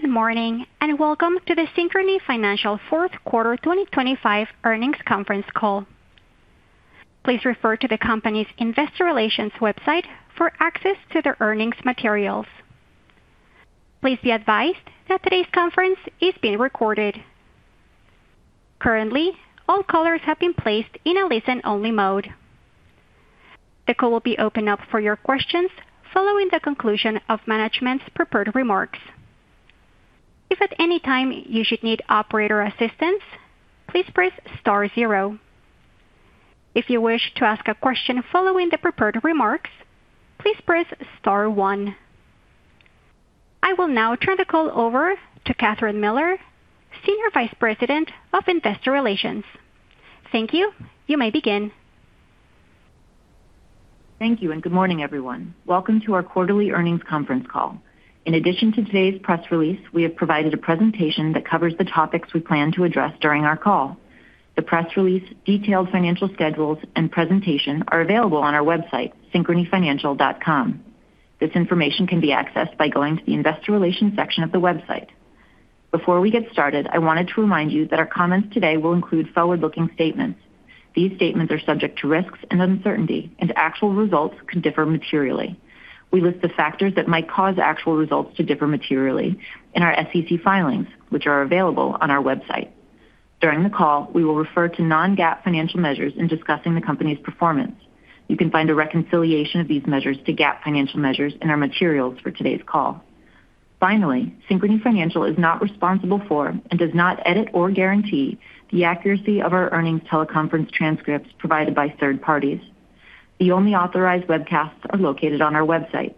Good morning, and welcome to the Synchrony Financial fourth quarter 2025 earnings conference call. Please refer to the company's investor relations website for access to their earnings materials. Please be advised that today's conference is being recorded. Currently, all callers have been placed in a listen-only mode. The call will be opened up for your questions following the conclusion of management's prepared remarks. If at any time you should need operator assistance, please press star zero. If you wish to ask a question following the prepared remarks, please press star one. I will now turn the call over to Kathryn Miller, Senior Vice President of Investor Relations. Thank you. You may begin. Thank you, and good morning, everyone. Welcome to our quarterly earnings conference call. In addition to today's press release, we have provided a presentation that covers the topics we plan to address during our call. The press release, detailed financial schedules, and presentation are available on our website, synchronyfinancial.com. This information can be accessed by going to the investor relations section of the website. Before we get started, I wanted to remind you that our comments today will include forward-looking statements. These statements are subject to risks and uncertainty, and actual results could differ materially. We list the factors that might cause actual results to differ materially in our SEC filings, which are available on our website. During the call, we will refer to non-GAAP financial measures in discussing the company's performance. You can find a reconciliation of these measures to GAAP financial measures in our materials for today's call. Finally, Synchrony Financial is not responsible for and does not edit or guarantee the accuracy of our earnings teleconference transcripts provided by third parties. The only authorized webcasts are located on our website.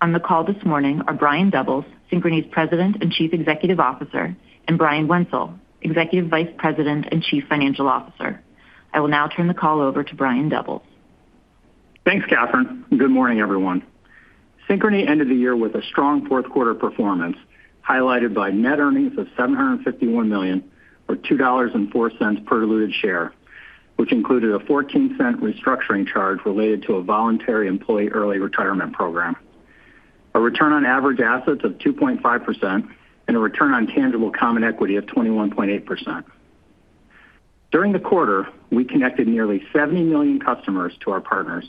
On the call this morning are Brian Doubles, Synchrony's President and Chief Executive Officer, and Brian Wenzel, Executive Vice President and Chief Financial Officer. I will now turn the call over to Brian Doubles. Thanks, Kathryn, and good morning, everyone. Synchrony ended the year with a strong fourth quarter performance, highlighted by net earnings of $751 million, or $2.04 per diluted share, which included a 14-cent restructuring charge related to a voluntary employee early retirement program, a return on average assets of 2.5%, and a return on tangible common equity of 21.8%. During the quarter, we connected nearly 70 million customers to our partners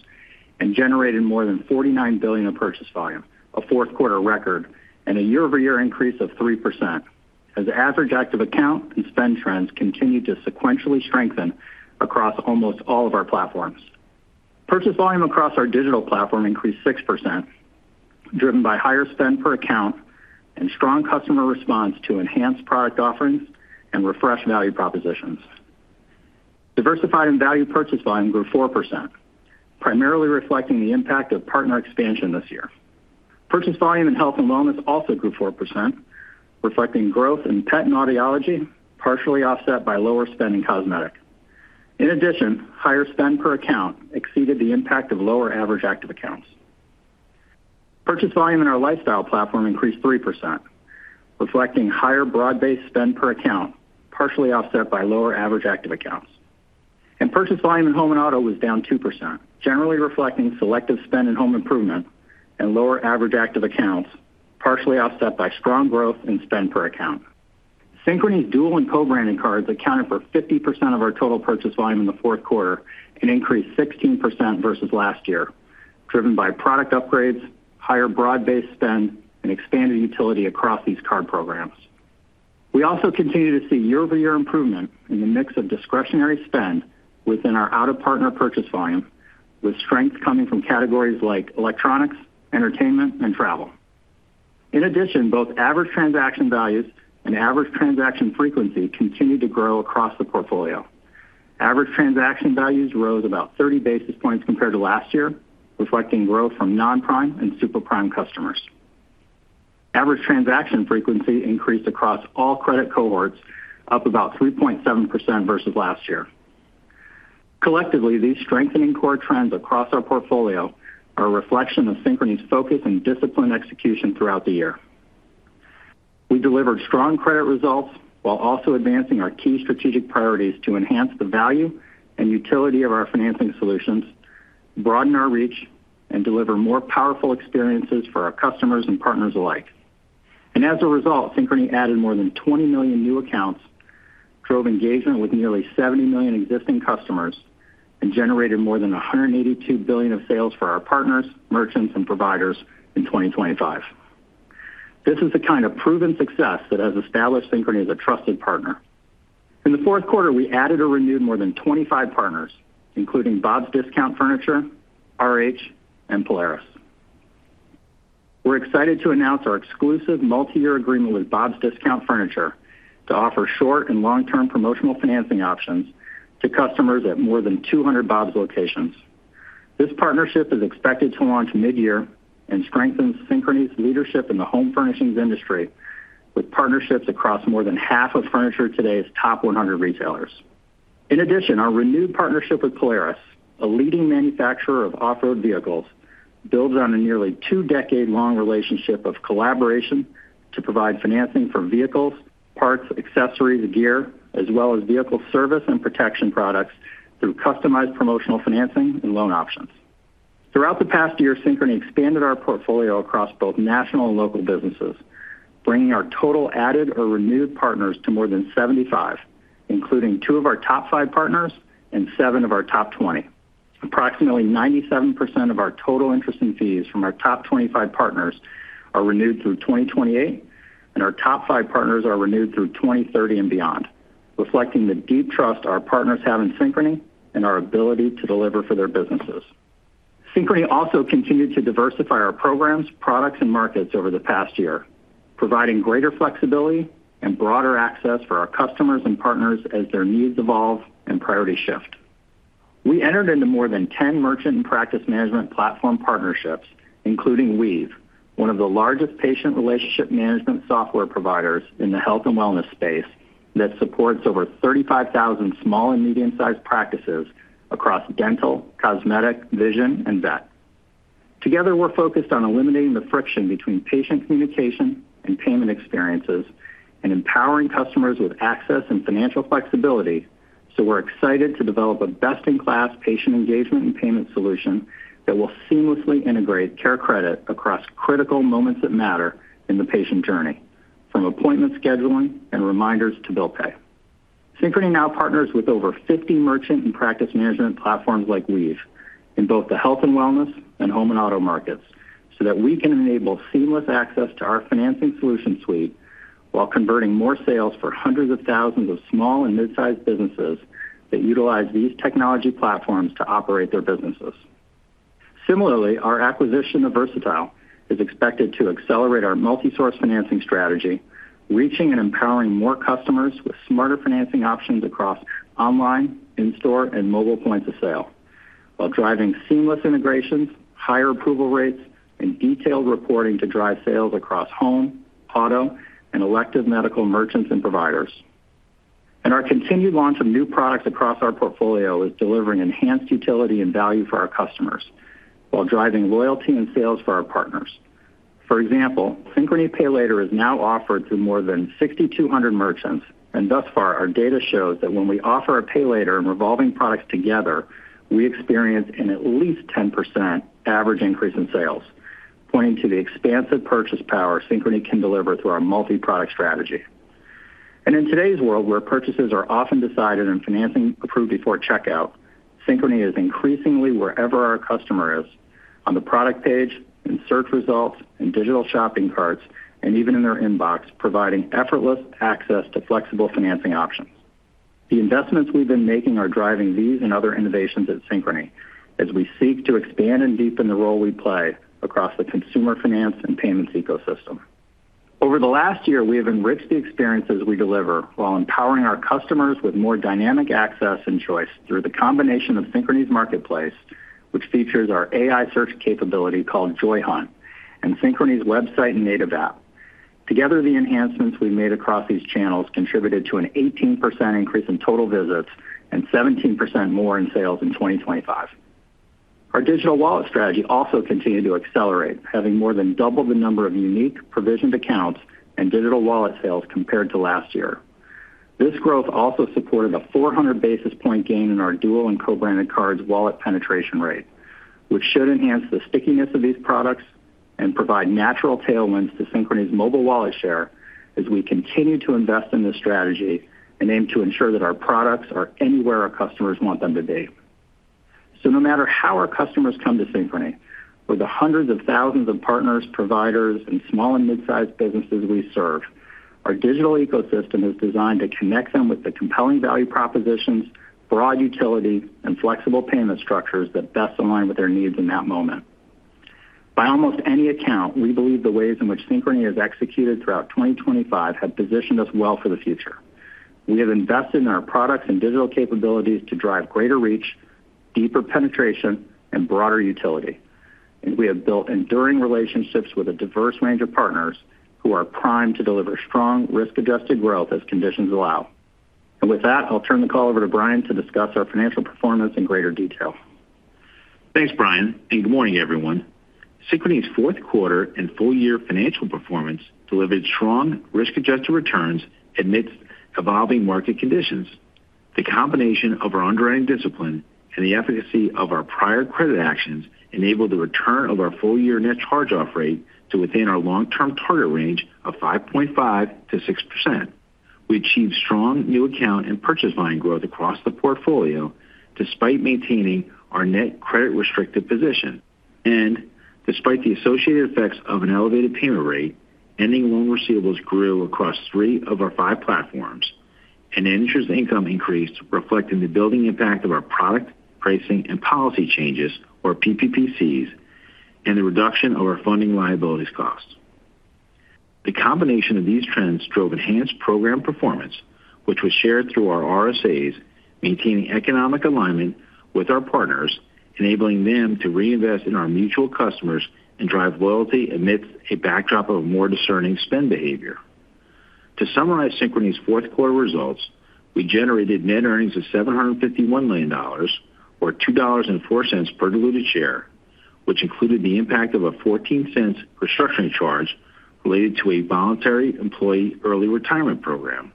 and generated more than $49 billion of purchase volume, a fourth quarter record, and a year-over-year increase of 3%, as average active account and spend trends continued to sequentially strengthen across almost all of our platforms. Purchase volume across our Digital platform increased 6%, driven by higher spend per account and strong customer response to enhanced product offerings and refreshed value propositions. Diversified and Value purchase volume grew 4%, primarily reflecting the impact of partner expansion this year. Purchase volume in Health & Wellness also grew 4%, reflecting growth in pet and audiology, partially offset by lower spend in cosmetic. In addition, higher spend per account exceeded the impact of lower average active accounts. Purchase volume in our Lifestyle platform increased 3%, reflecting higher broad-based spend per account, partially offset by lower average active accounts. Purchase volume in Home & Auto was down 2%, generally reflecting selective spend in home improvement and lower average active accounts, partially offset by strong growth in spend per account. Synchrony dual and co-branding cards accounted for 50% of our total purchase volume in the fourth quarter and increased 16% versus last year, driven by product upgrades, higher broad-based spend, and expanded utility across these card programs. We also continue to see year-over-year improvement in the mix of discretionary spend within our out-of-partner purchase volume, with strength coming from categories like electronics, entertainment, and travel. In addition, both average transaction values and average transaction frequency continued to grow across the portfolio. Average transaction values rose about 30 basis points compared to last year, reflecting growth from non-prime and super-prime customers. Average transaction frequency increased across all credit cohorts, up about 3.7% versus last year. Collectively, these strengthening core trends across our portfolio are a reflection of Synchrony's focus and disciplined execution throughout the year. We delivered strong credit results while also advancing our key strategic priorities to enhance the value and utility of our financing solutions, broaden our reach, and deliver more powerful experiences for our customers and partners alike. And as a result, Synchrony added more than 20 million new accounts, drove engagement with nearly 70 million existing customers, and generated more than $182 billion of sales for our partners, merchants, and providers in 2025. This is the kind of proven success that has established Synchrony as a trusted partner. In the fourth quarter, we added or renewed more than 25 partners, including Bob's Discount Furniture, RH, and Polaris. We're excited to announce our exclusive multi-year agreement with Bob's Discount Furniture to offer short- and long-term promotional financing options to customers at more than 200 Bob's locations. This partnership is expected to launch mid-year and strengthens Synchrony's leadership in the home furnishings industry, with partnerships across more than half of Furniture Today's top 100 retailers. In addition, our renewed partnership with Polaris, a leading manufacturer of off-road vehicles, builds on a nearly two-decade-long relationship of collaboration to provide financing for vehicles, parts, accessories, gear, as well as vehicle service and protection products through customized promotional financing and loan options. Throughout the past year, Synchrony expanded our portfolio across both national and local businesses, bringing our total added or renewed partners to more than 75, including two of our top five partners and seven of our top 20. Approximately 97% of our total interest and fees from our top 25 partners are renewed through 2028, and our top 5 partners are renewed through 2030 and beyond, reflecting the deep trust our partners have in Synchrony and our ability to deliver for their businesses. Synchrony also continued to diversify our programs, products, and markets over the past year, providing greater flexibility and broader access for our customers and partners as their needs evolve and priorities shift. We entered into more than 10 merchant and practice management platform partnerships, including Weave, one of the largest patient relationship management software providers in the Health & Wellness space, that supports over 35,000 small and medium-sized practices across dental, cosmetic, vision, and vet. Together, we're focused on eliminating the friction between patient communication and payment experiences, and empowering customers with access and financial flexibility. So we're excited to develop a best-in-class patient engagement and payment solution that will seamlessly integrate CareCredit across critical moments that matter in the patient journey, from appointment scheduling and reminders to bill pay. Synchrony now partners with over 50 merchant and practice management platforms like Weave in both the Health & Wellness and Home & Auto markets, so that we can enable seamless access to our financing solution suite while converting more sales for hundreds of thousands of small and mid-sized businesses that utilize these technology platforms to operate their businesses. Similarly, our acquisition of Versatile Credit is expected to accelerate our multi-source financing strategy, reaching and empowering more customers with smarter financing options across online, in-store, and mobile points of sale, while driving seamless integrations, higher approval rates, and detailed reporting to drive sales across home, auto, and elective medical merchants and providers. Our continued launch of new products across our portfolio is delivering enhanced utility and value for our customers, while driving loyalty and sales for our partners. For example, Synchrony Pay Later is now offered to more than 6,200 merchants, and thus far, our data shows that when we offer a Pay Later and revolving products together, we experience an at least 10% average increase in sales, pointing to the expansive purchase power Synchrony can deliver through our multi-product strategy. And in today's world, where purchases are often decided and financing approved before checkout, Synchrony is increasingly wherever our customer is, on the product page, in search results, in digital shopping carts, and even in their inbox, providing effortless access to flexible financing options. The investments we've been making are driving these and other innovations at Synchrony as we seek to expand and deepen the role we play across the consumer finance and payments ecosystem. Over the last year, we have enriched the experiences we deliver while empowering our customers with more dynamic access and choice through the combination of Synchrony's Marketplace, which features our AI search capability called JoyHunt, and Synchrony's website and native app. Together, the enhancements we made across these channels contributed to an 18% increase in total visits and 17% more in sales in 2025. Our digital wallet strategy also continued to accelerate, having more than doubled the number of unique provisioned accounts and digital wallet sales compared to last year. This growth also supported a 400 basis point gain in our dual and co-branded cards wallet penetration rate, which should enhance the stickiness of these products and provide natural tailwinds to Synchrony's mobile wallet share as we continue to invest in this strategy and aim to ensure that our products are anywhere our customers want them to be. No matter how our customers come to Synchrony, with the hundreds of thousands of partners, providers, and small and mid-sized businesses we serve, our digital ecosystem is designed to connect them with the compelling value propositions, broad utility, and flexible payment structures that best align with their needs in that moment. By almost any account, we believe the ways in which Synchrony is executed throughout 2025 have positioned us well for the future. We have invested in our products and digital capabilities to drive greater reach, deeper penetration, and broader utility. We have built enduring relationships with a diverse range of partners who are primed to deliver strong, risk-adjusted growth as conditions allow. With that, I'll turn the call over to Brian to discuss our financial performance in greater detail. Thanks, Brian, and good morning, everyone. Synchrony's fourth quarter and full year financial performance delivered strong risk-adjusted returns amidst evolving market conditions. The combination of our underwriting discipline and the efficacy of our prior credit actions enabled the return of our full year net charge-off rate to within our long-term target range of 5.5%-6%. We achieved strong new account and purchase line growth across the portfolio, despite maintaining our net credit restrictive position. And despite the associated effects of an elevated payment rate, ending loan receivables grew across three of our five platforms, and interest income increased, reflecting the building impact of our product, pricing, and policy changes, or PPPCs, and the reduction of our funding liabilities costs. The combination of these trends drove enhanced program performance, which was shared through our RSAs, maintaining economic alignment with our partners, enabling them to reinvest in our mutual customers and drive loyalty amidst a backdrop of more discerning spend behavior. To summarize Synchrony's fourth quarter results, we generated net earnings of $751 million or $2.04 per diluted share, which included the impact of a $0.14 restructuring charge related to a voluntary employee early retirement program,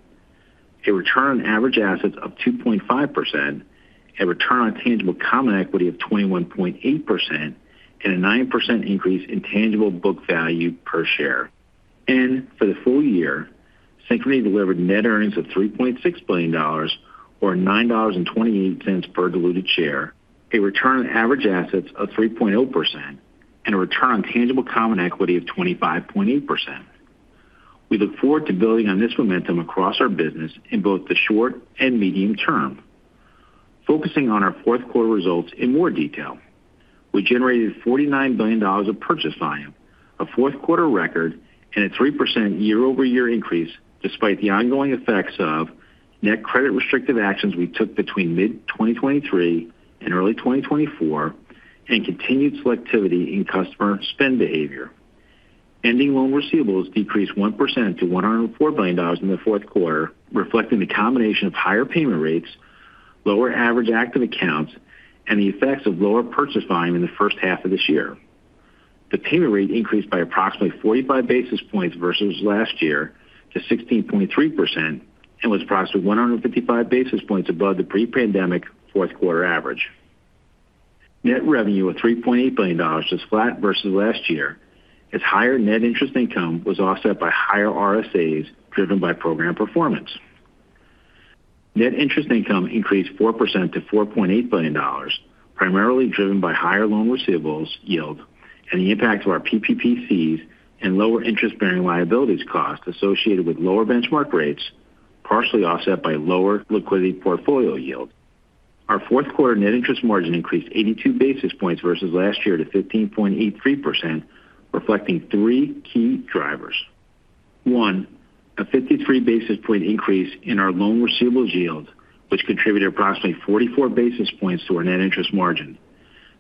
a return on average assets of 2.5%, a return on tangible common equity of 21.8%, and a 9% increase in tangible book value per share. For the full year, Synchrony delivered net earnings of $3.6 billion, or $9.28 per diluted share, a return on average assets of 3.0%, and a return on tangible common equity of 25.8%. We look forward to building on this momentum across our business in both the short and medium term. Focusing on our fourth quarter results in more detail. We generated $49 billion of purchase volume, a fourth quarter record, and a 3% year-over-year increase, despite the ongoing effects of net credit restrictive actions we took between mid-2023 and early 2024, and continued selectivity in customer spend behavior. Ending loan receivables decreased 1% to $104 billion in the fourth quarter, reflecting the combination of higher payment rates, lower average active accounts, and the effects of lower purchase volume in the first half of this year. The payment rate increased by approximately 45 basis points versus last year to 16.3% and was approximately 155 basis points above the pre-pandemic fourth quarter average. Net revenue of $3.8 billion was flat versus last year, as higher net interest income was offset by higher RSAs, driven by program performance. Net interest income increased 4% to $4.8 billion, primarily driven by higher loan receivables yield and the impact of our PPPCs and lower interest-bearing liabilities costs associated with lower benchmark rates, partially offset by lower liquidity portfolio yield. Our fourth quarter net interest margin increased 82 basis points versus last year to 15.83%, reflecting three key drivers. One, a 53 basis point increase in our loan receivables yield, which contributed approximately 44 basis points to our net interest margin.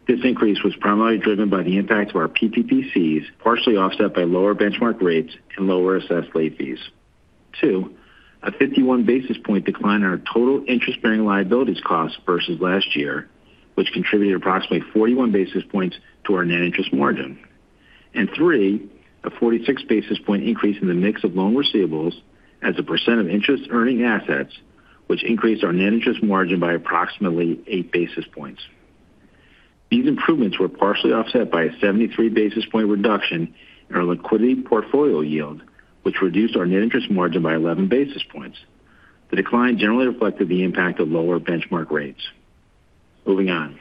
This increase was primarily driven by the impact of our PPPCs, partially offset by lower benchmark rates and lower assessed late fees. Two, a 51 basis point decline in our total interest-bearing liabilities costs versus last year, which contributed approximately 41 basis points to our net interest margin. And three, a 46 basis point increase in the mix of loan receivables as a percent of interest-earning assets, which increased our net interest margin by approximately 8 basis points. These improvements were partially offset by a 73 basis point reduction in our liquidity portfolio yield, which reduced our net interest margin by 11 basis points. The decline generally reflected the impact of lower benchmark rates. Moving on.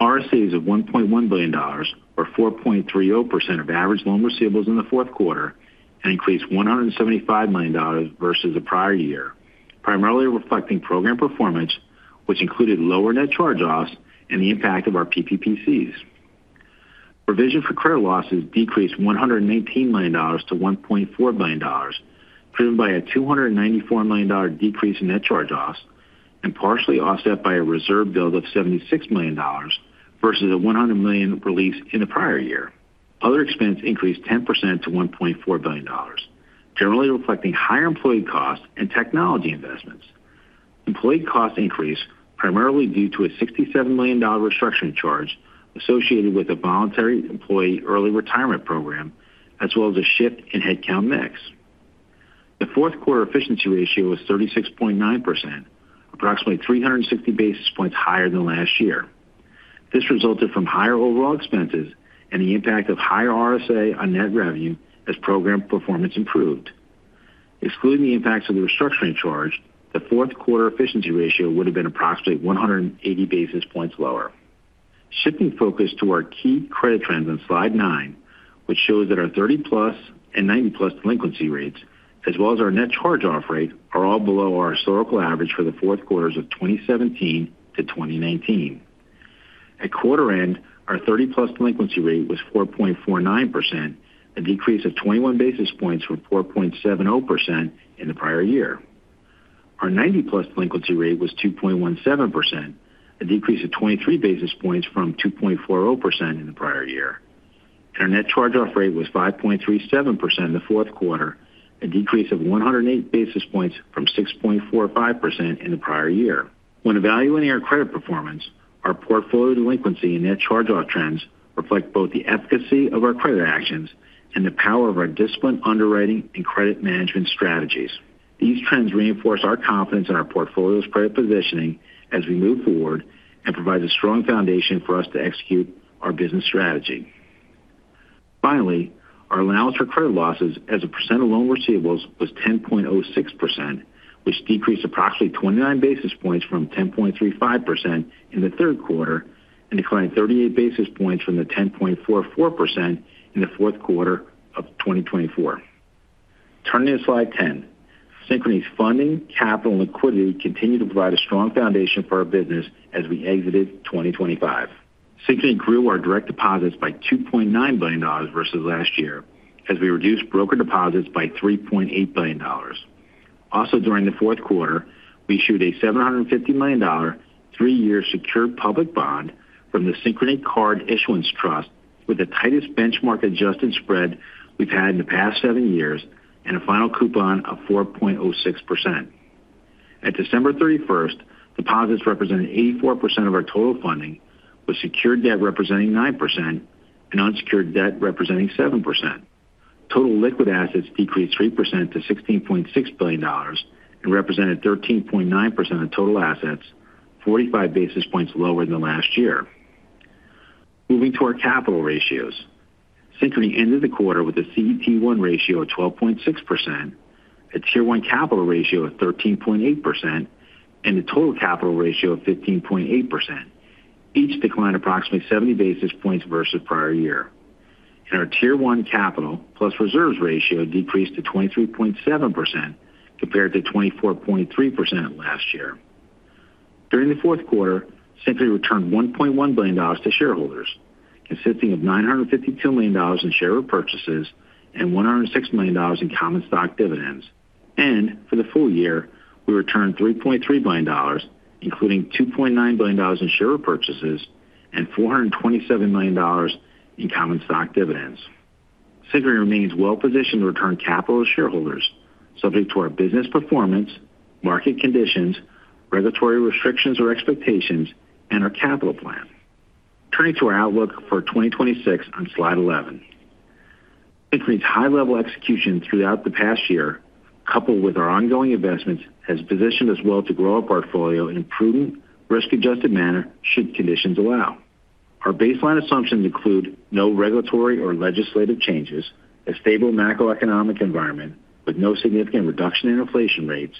RSAs of $1.1 billion, or 4.3% of average loan receivables in the fourth quarter, and increased $175 million versus the prior year, primarily reflecting program performance, which included lower net charge-offs and the impact of our PPPCs. Provision for credit losses decreased $119 million to $1.4 billion, driven by a $294 million decrease in net charge-offs, and partially offset by a reserve build of $76 million versus a $100 million release in the prior year. Other expenses increased 10% to $1.4 billion, generally reflecting higher employee costs and technology investments. Employee costs increased primarily due to a $67 million restructuring charge associated with a voluntary employee early retirement program, as well as a shift in headcount mix. The fourth quarter efficiency ratio was 36.9%, approximately 360 basis points higher than last year. This resulted from higher overall expenses and the impact of higher RSA on net revenue as program performance improved. Excluding the impacts of the restructuring charge, the fourth quarter efficiency ratio would have been approximately 180 basis points lower. Shifting focus to our key credit trends on slide nine, which shows that our 30+ and 90+ delinquency rates, as well as our net charge-off rate, are all below our historical average for the fourth quarters of 2017-2019. At quarter end, our 30+ delinquency rate was 4.49%, a decrease of 21 basis points from 4.70% in the prior year. Our 90+ delinquency rate was 2.17%, a decrease of 23 basis points from 2.40% in the prior year. Our net charge-off rate was 5.37% in the fourth quarter, a decrease of 108 basis points from 6.45% in the prior year. When evaluating our credit performance, our portfolio delinquency and net charge-off trends reflect both the efficacy of our credit actions and the power of our disciplined underwriting and credit management strategies. These trends reinforce our confidence in our portfolio's credit positioning as we move forward and provide a strong foundation for us to execute our business strategy. Finally, our allowance for credit losses as a percent of loan receivables was 10.06%, which decreased approximately 29 basis points from 10.35% in the third quarter and declined 38 basis points from the 10.44% in the fourth quarter of 2024. Turning to slide ten. Synchrony's funding, capital, and liquidity continue to provide a strong foundation for our business as we exited 2025. Synchrony grew our direct deposits by $2.9 billion versus last year, as we reduced broker deposits by $3.8 billion. Also, during the fourth quarter, we issued a $750 million, three-year secured public bond from the Synchrony Card Issuance Trust with the tightest benchmark-adjusted spread we've had in the past seven years and a final coupon of 4.06%. At December 31st, deposits represented 84% of our total funding, with secured debt representing 9%... and unsecured debt representing 7%. Total liquid assets decreased 3% to $16.6 billion and represented 13.9% of total assets, 45 basis points lower than last year. Moving to our capital ratios. Synchrony ended the quarter with a CET1 ratio of 12.6%, a Tier 1 capital ratio of 13.8%, and a total capital ratio of 15.8%. Each declined approximately 70 basis points versus prior year. Our Tier 1 capital plus reserves ratio decreased to 23.7%, compared to 24.3% last year. During the fourth quarter, Synchrony returned $1.1 billion to shareholders, consisting of $952 million in share repurchases and $106 million in common stock dividends. For the full year, we returned $3.3 billion, including $2.9 billion in share repurchases and $427 million in common stock dividends. Synchrony remains well positioned to return capital to shareholders, subject to our business performance, market conditions, regulatory restrictions or expectations, and our capital plan. Turning to our outlook for 2026 on slide 11. Synchrony's high-level execution throughout the past year, coupled with our ongoing investments, has positioned us well to grow our portfolio in a prudent, risk-adjusted manner should conditions allow. Our baseline assumptions include no regulatory or legislative changes, a stable macroeconomic environment with no significant reduction in inflation rates,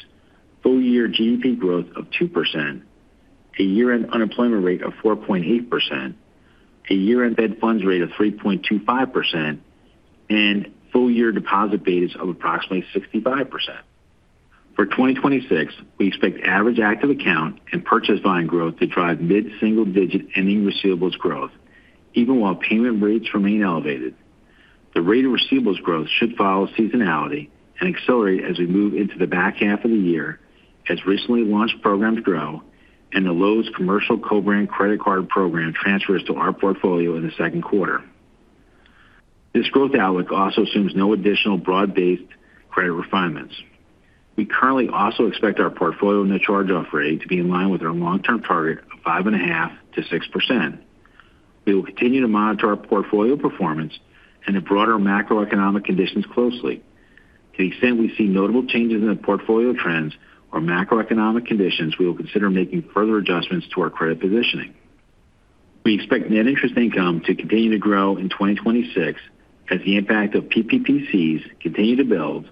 full-year GDP growth of 2%, a year-end unemployment rate of 4.8%, a year-end Fed funds rate of 3.25%, and full-year deposit betas of approximately 65%. For 2026, we expect average active account and purchase volume growth to drive mid-single-digit ending receivables growth, even while payment rates remain elevated. The rate of receivables growth should follow seasonality and accelerate as we move into the back half of the year, as recently launched programs grow, and the Lowe's Commercial Co-Brand Credit Card program transfers to our portfolio in the second quarter. This growth outlook also assumes no additional broad-based credit refinements. We currently also expect our portfolio net charge-off rate to be in line with our long-term target of 5.5%-6%. We will continue to monitor our portfolio performance and the broader macroeconomic conditions closely. To the extent we see notable changes in the portfolio trends or macroeconomic conditions, we will consider making further adjustments to our credit positioning. We expect net interest income to continue to grow in 2026, as the impact of PPPCs continue to build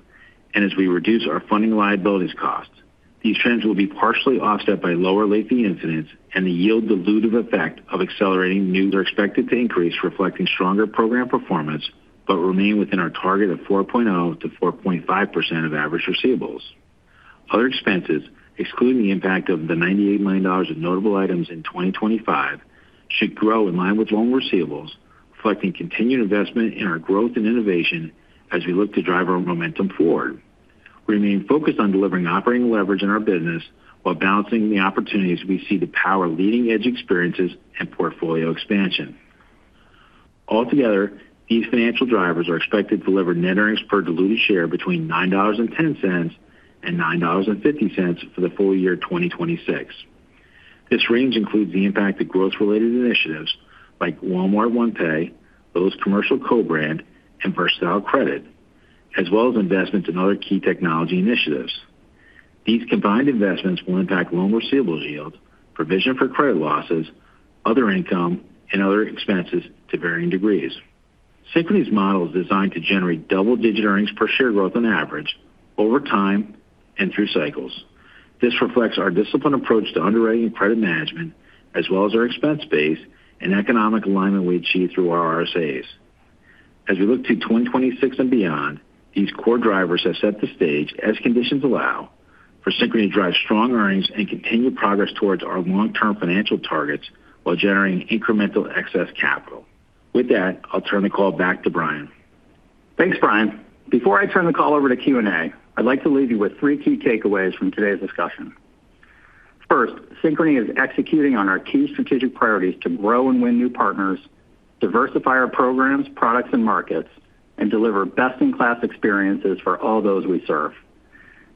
and as we reduce our funding liabilities costs. These trends will be partially offset by lower late fee incidence and the yield dilutive effect of accelerating new- are expected to increase, reflecting stronger program performance, but remain within our target of 4.0%-4.5% of average receivables. Other expenses, excluding the impact of the $98 million of notable items in 2025, should grow in line with loan receivables, reflecting continued investment in our growth and innovation as we look to drive our momentum forward. We remain focused on delivering operating leverage in our business while balancing the opportunities we see to power leading-edge experiences and portfolio expansion. Altogether, these financial drivers are expected to deliver net earnings per diluted share between $9.10 and $9.50 for the full year 2026. This range includes the impact of growth-related initiatives like Walmart One Pay, Lowe's Commercial Co-Brand, and Versatile Credit, as well as investments in other key technology initiatives. These combined investments will impact loan receivables yields, provision for credit losses, other income, and other expenses to varying degrees. Synchrony's model is designed to generate double-digit earnings per share growth on average over time and through cycles. This reflects our disciplined approach to underwriting and credit management, as well as our expense base and economic alignment we achieve through our RSAs. As we look to 2026 and beyond, these core drivers have set the stage, as conditions allow, for Synchrony to drive strong earnings and continued progress towards our long-term financial targets while generating incremental excess capital. With that, I'll turn the call back to Brian. Thanks, Brian. Before I turn the call over to Q&A, I'd like to leave you with three key takeaways from today's discussion. First, Synchrony is executing on our key strategic priorities to grow and win new partners, diversify our programs, products, and markets, and deliver best-in-class experiences for all those we serve.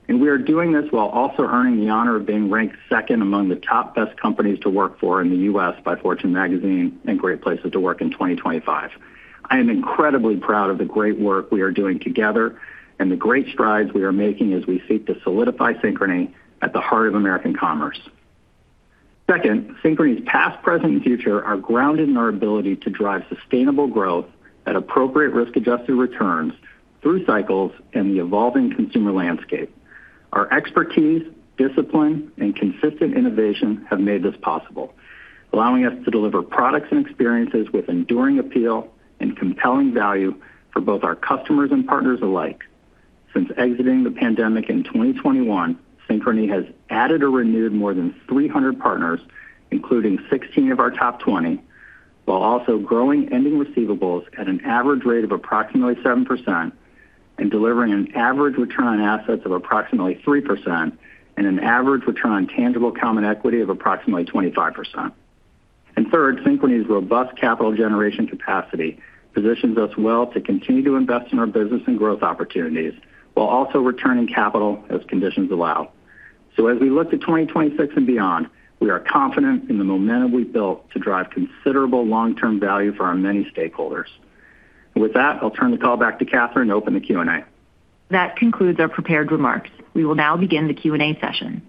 We are doing this while also earning the honor of being ranked second among the top best companies to work for in the U.S. by Fortune Magazine and Great Place to Work in 2025. I am incredibly proud of the great work we are doing together and the great strides we are making as we seek to solidify Synchrony at the heart of American commerce. Second, Synchrony's past, present, and future are grounded in our ability to drive sustainable growth at appropriate risk-adjusted returns through cycles and the evolving consumer landscape. Our expertise, discipline, and consistent innovation have made this possible, allowing us to deliver products and experiences with enduring appeal and compelling value for both our customers and partners alike. Since exiting the pandemic in 2021, Synchrony has added or renewed more than 300 partners, including 16 of our top 20, while also growing ending receivables at an average rate of approximately 7% and delivering an average return on assets of approximately 3% and an average return on tangible common equity of approximately 25%. And third, Synchrony's robust capital generation capacity positions us well to continue to invest in our business and growth opportunities while also returning capital as conditions allow.... So as we look to 2026 and beyond, we are confident in the momentum we've built to drive considerable long-term value for our many stakeholders. With that, I'll turn the call back to Kathryn to open the Q&A. That concludes our prepared remarks. We will now begin the Q&A session.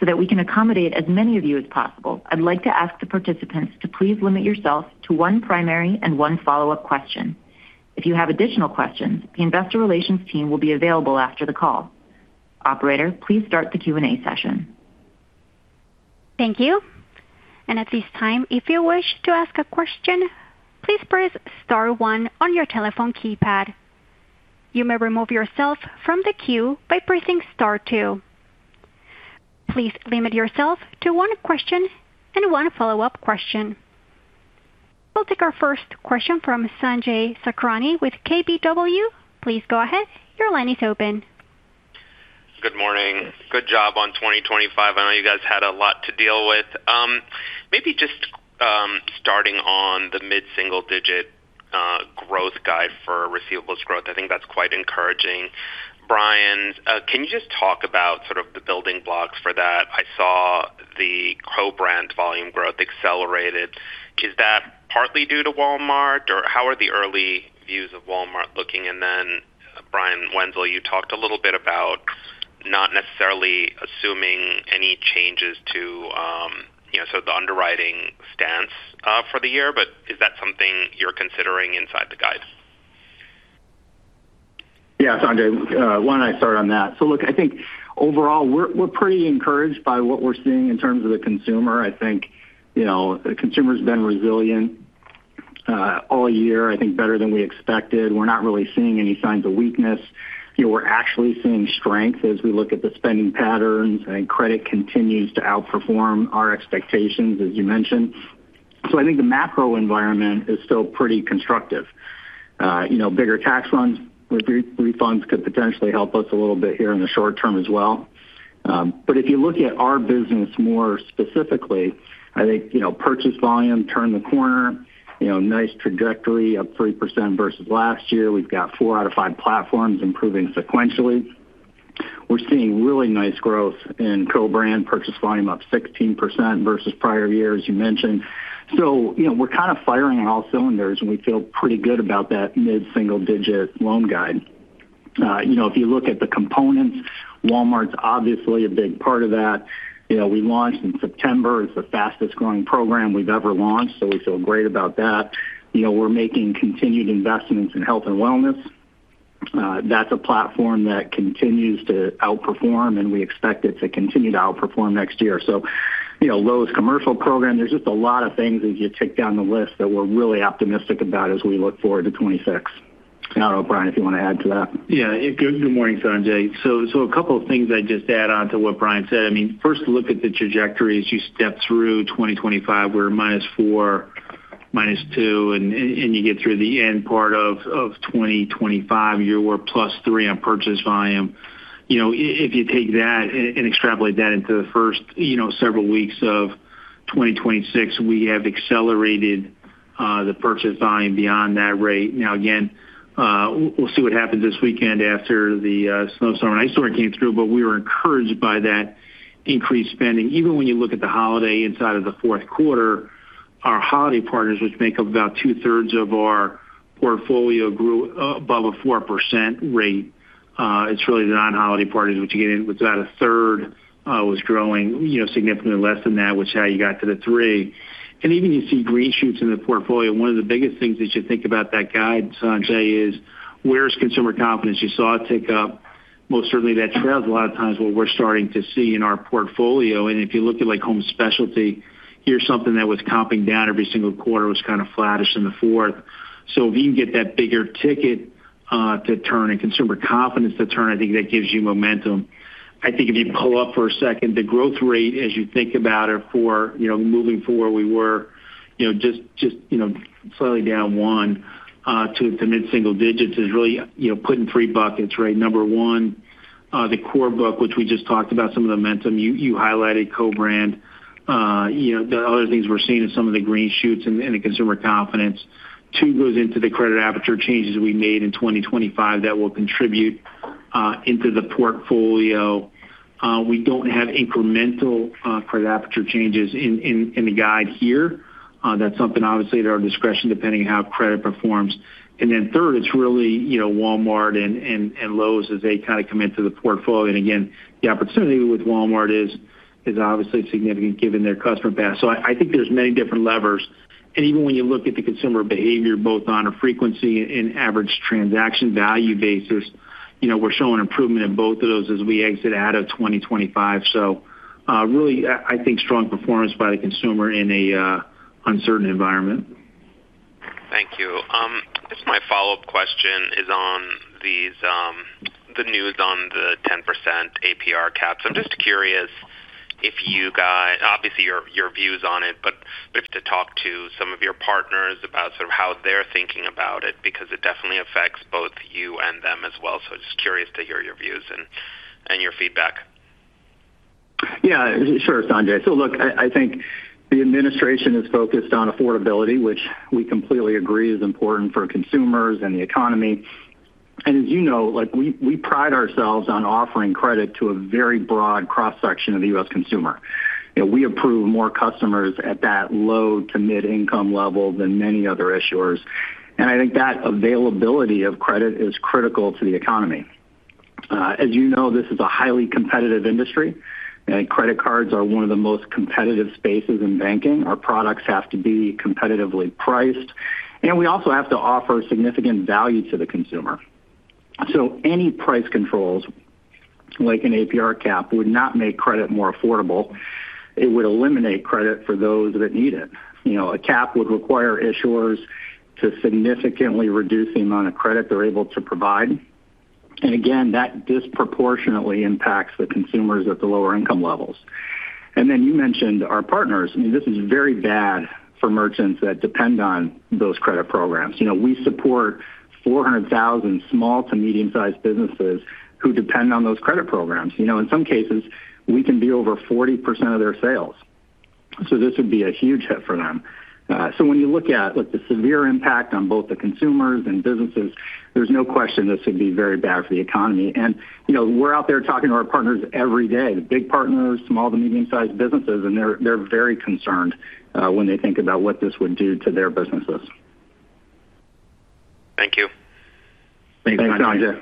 So that we can accommodate as many of you as possible, I'd like to ask the participants to please limit yourself to one primary and one follow-up question. If you have additional questions, the investor relations team will be available after the call. Operator, please start the Q&A session. Thank you. At this time, if you wish to ask a question, please press star one on your telephone keypad. You may remove yourself from the queue by pressing star two. Please limit yourself to one question and one follow-up question. We'll take our first question from Sanjay Sakrani with KBW. Please go ahead. Your line is open. Good morning. Good job on 2025. I know you guys had a lot to deal with. Maybe just starting on the mid-single digit growth guide for receivables growth. I think that's quite encouraging. Brian, can you just talk about sort of the building blocks for that? I saw the co-brand volume growth accelerated. Is that partly due to Walmart, or how are the early views of Walmart looking? And then, Brian Wenzel, you talked a little bit about not necessarily assuming any changes to, you know, so the underwriting stance for the year, but is that something you're considering inside the guide? Yeah, Sanjay, why don't I start on that? So look, I think overall, we're pretty encouraged by what we're seeing in terms of the consumer. I think, you know, the consumer's been resilient all year, I think better than we expected. We're not really seeing any signs of weakness. You know, we're actually seeing strength as we look at the spending patterns, and credit continues to outperform our expectations, as you mentioned. So I think the macro environment is still pretty constructive. You know, bigger tax refunds could potentially help us a little bit here in the short term as well. But if you look at our business more specifically, I think, you know, purchase volume turned the corner, you know, nice trajectory, up 3% versus last year. We've got four out of five platforms improving sequentially. We're seeing really nice growth in co-brand, purchase volume up 16% versus prior year, as you mentioned. So you know, we're kind of firing on all cylinders, and we feel pretty good about that mid-single-digit loan guide. You know, if you look at the components, Walmart's obviously a big part of that. You know, we launched in September. It's the fastest-growing program we've ever launched, so we feel great about that. You know, we're making continued investments in Health & Wellness. That's a platform that continues to outperform, and we expect it to continue to outperform next year. So, you know, Lowe's commercial program, there's just a lot of things, as you tick down the list, that we're really optimistic about as we look forward to 2026. I don't know, Brian, if you want to add to that. Yeah. Good morning, Sanjay. So, a couple of things I'd just add on to what Brian said. I mean, first, look at the trajectory as you step through 2025, we're -4, -2, and you get through the end part of 2025, you're, we're +3 on purchase volume. You know, if you take that and extrapolate that into the first, you know, several weeks of 2026, we have accelerated the purchase volume beyond that rate. Now, again, we'll see what happens this weekend after the snowstorm and ice storm came through, but we were encouraged by that increased spending. Even when you look at the holiday inside of the fourth quarter, our holiday partners, which make up about two-thirds of our portfolio, grew above a 4% rate. It's really the non-holiday partners, which, again, was about a third, was growing, you know, significantly less than that, which is how you got to the three. And even you see green shoots in the portfolio. One of the biggest things as you think about that guide, Sanjay, is where's consumer confidence? You saw it tick up. Most certainly, that trails a lot of times what we're starting to see in our portfolio, and if you look at, like, home specialty, here's something that was comping down every single quarter, was kind of flattish in the fourth. So if you can get that bigger ticket, to turn and consumer confidence to turn, I think that gives you momentum. I think if you pull up for a second, the growth rate as you think about it for, you know, moving forward, we were, you know, just, you know, slightly down 1 to mid-single digits is really, you know, put in three buckets, right? Number one, the core book, which we just talked about, some of the momentum. You highlighted co-brand. You know, the other things we're seeing is some of the green shoots in the consumer confidence. two goes into the credit appetite changes we made in 2025 that will contribute into the portfolio. We don't have incremental credit appetite changes in the guide here. That's something obviously at our discretion, depending on how credit performs. And then third, it's really, you know, Walmart and Lowe's as they kind of come into the portfolio. And again, the opportunity with Walmart is obviously significant given their customer base. So I think there's many different levers, and even when you look at the consumer behavior, both on a frequency and average transaction value basis, you know, we're showing improvement in both of those as we exit out of 2025. So really, I think strong performance by the consumer in an uncertain environment. Thank you. Just my follow-up question is on these, the news on the 10% APR caps. I'm just curious if you guys—obviously, your, your views on it, but if to talk to some of your partners about sort of how they're thinking about it, because it definitely affects both you and them as well. So just curious to hear your views and, and your feedback. Yeah, sure, Sanjay. So look, I think the administration is focused on affordability, which we completely agree is important for consumers and the economy. And as you know, like, we pride ourselves on offering credit to a very broad cross-section of the U.S. consumer. You know, we approve more customers at that low to mid-income level than many other issuers, and I think that availability of credit is critical to the economy. As you know, this is a highly competitive industry, and credit cards are one of the most competitive spaces in banking. Our products have to be competitively priced, and we also have to offer significant value to the consumer. So any price controls, like an APR cap, would not make credit more affordable. It would eliminate credit for those that need it. You know, a cap would require issuers to significantly reduce the amount of credit they're able to provide. And again, that disproportionately impacts the consumers at the lower income levels. And then you mentioned our partners. I mean, this is very bad for merchants that depend on those credit programs. You know, we support 400,000 small to medium-sized businesses who depend on those credit programs. You know, in some cases, we can be over 40% of their sales, so this would be a huge hit for them. So when you look at, like, the severe impact on both the consumers and businesses, there's no question this would be very bad for the economy. You know, we're out there talking to our partners every day, the big partners, small to medium-sized businesses, and they're very concerned when they think about what this would do to their businesses. Thank you. Thanks, Sanjay.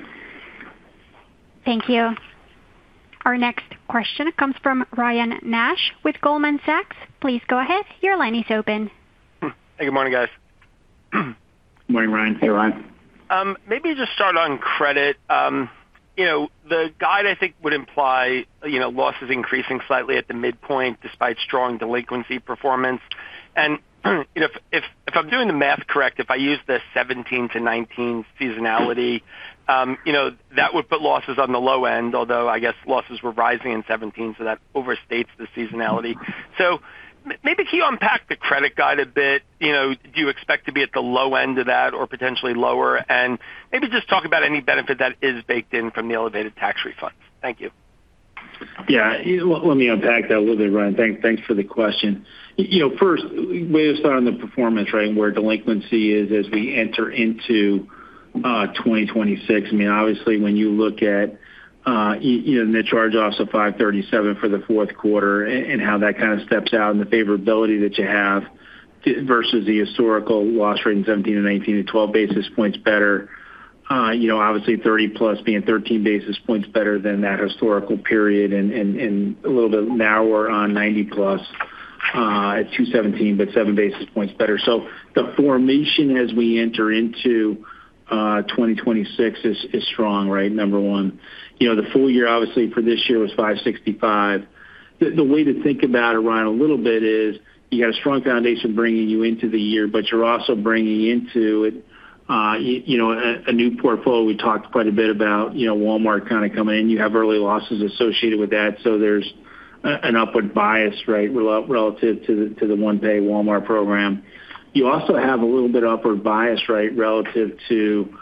Thank you. Our next question comes from Ryan Nash with Goldman Sachs. Please go ahead. Your line is open. Hey, good morning, guys. Good morning, Ryan. Hey, Ryan. Maybe just start on credit. You know, the guide, I think, would imply, you know, losses increasing slightly at the midpoint, despite strong delinquency performance. And, you know, if I'm doing the math correct, if I use the 2017 to 2019 seasonality, you know, that would put losses on the low end, although I guess losses were rising in 2017, so that overstates the seasonality. So maybe can you unpack the credit guide a bit? You know, do you expect to be at the low end of that or potentially lower? And maybe just talk about any benefit that is baked in from the elevated tax refunds. Thank you. Yeah, let me unpack that a little bit, Ryan. Thanks for the question. You know, first, way to start on the performance, right, and where delinquency is as we enter into 2026. I mean, obviously, when you look at, you know, net charge-offs of 537 for the fourth quarter and how that kind of steps out, and the favorability that you have versus the historical loss rate in 2017 to 2019 is 12 basis points better. You know, obviously, 30-plus being 13 basis points better than that historical period, and a little bit narrower on 90-plus, at 217, but 7 basis points better. So the formation as we enter into 2026 is strong, right? Number one. You know, the full year, obviously, for this year was 565. The way to think about it, Ryan, a little bit is, you got a strong foundation bringing you into the year, but you're also bringing into it, you know, a new portfolio. We talked quite a bit about, you know, Walmart kind of coming in. You have early losses associated with that, so there's an upward bias, right, relative to the one-day Walmart program. You also have a little bit of upward bias, right, relative to,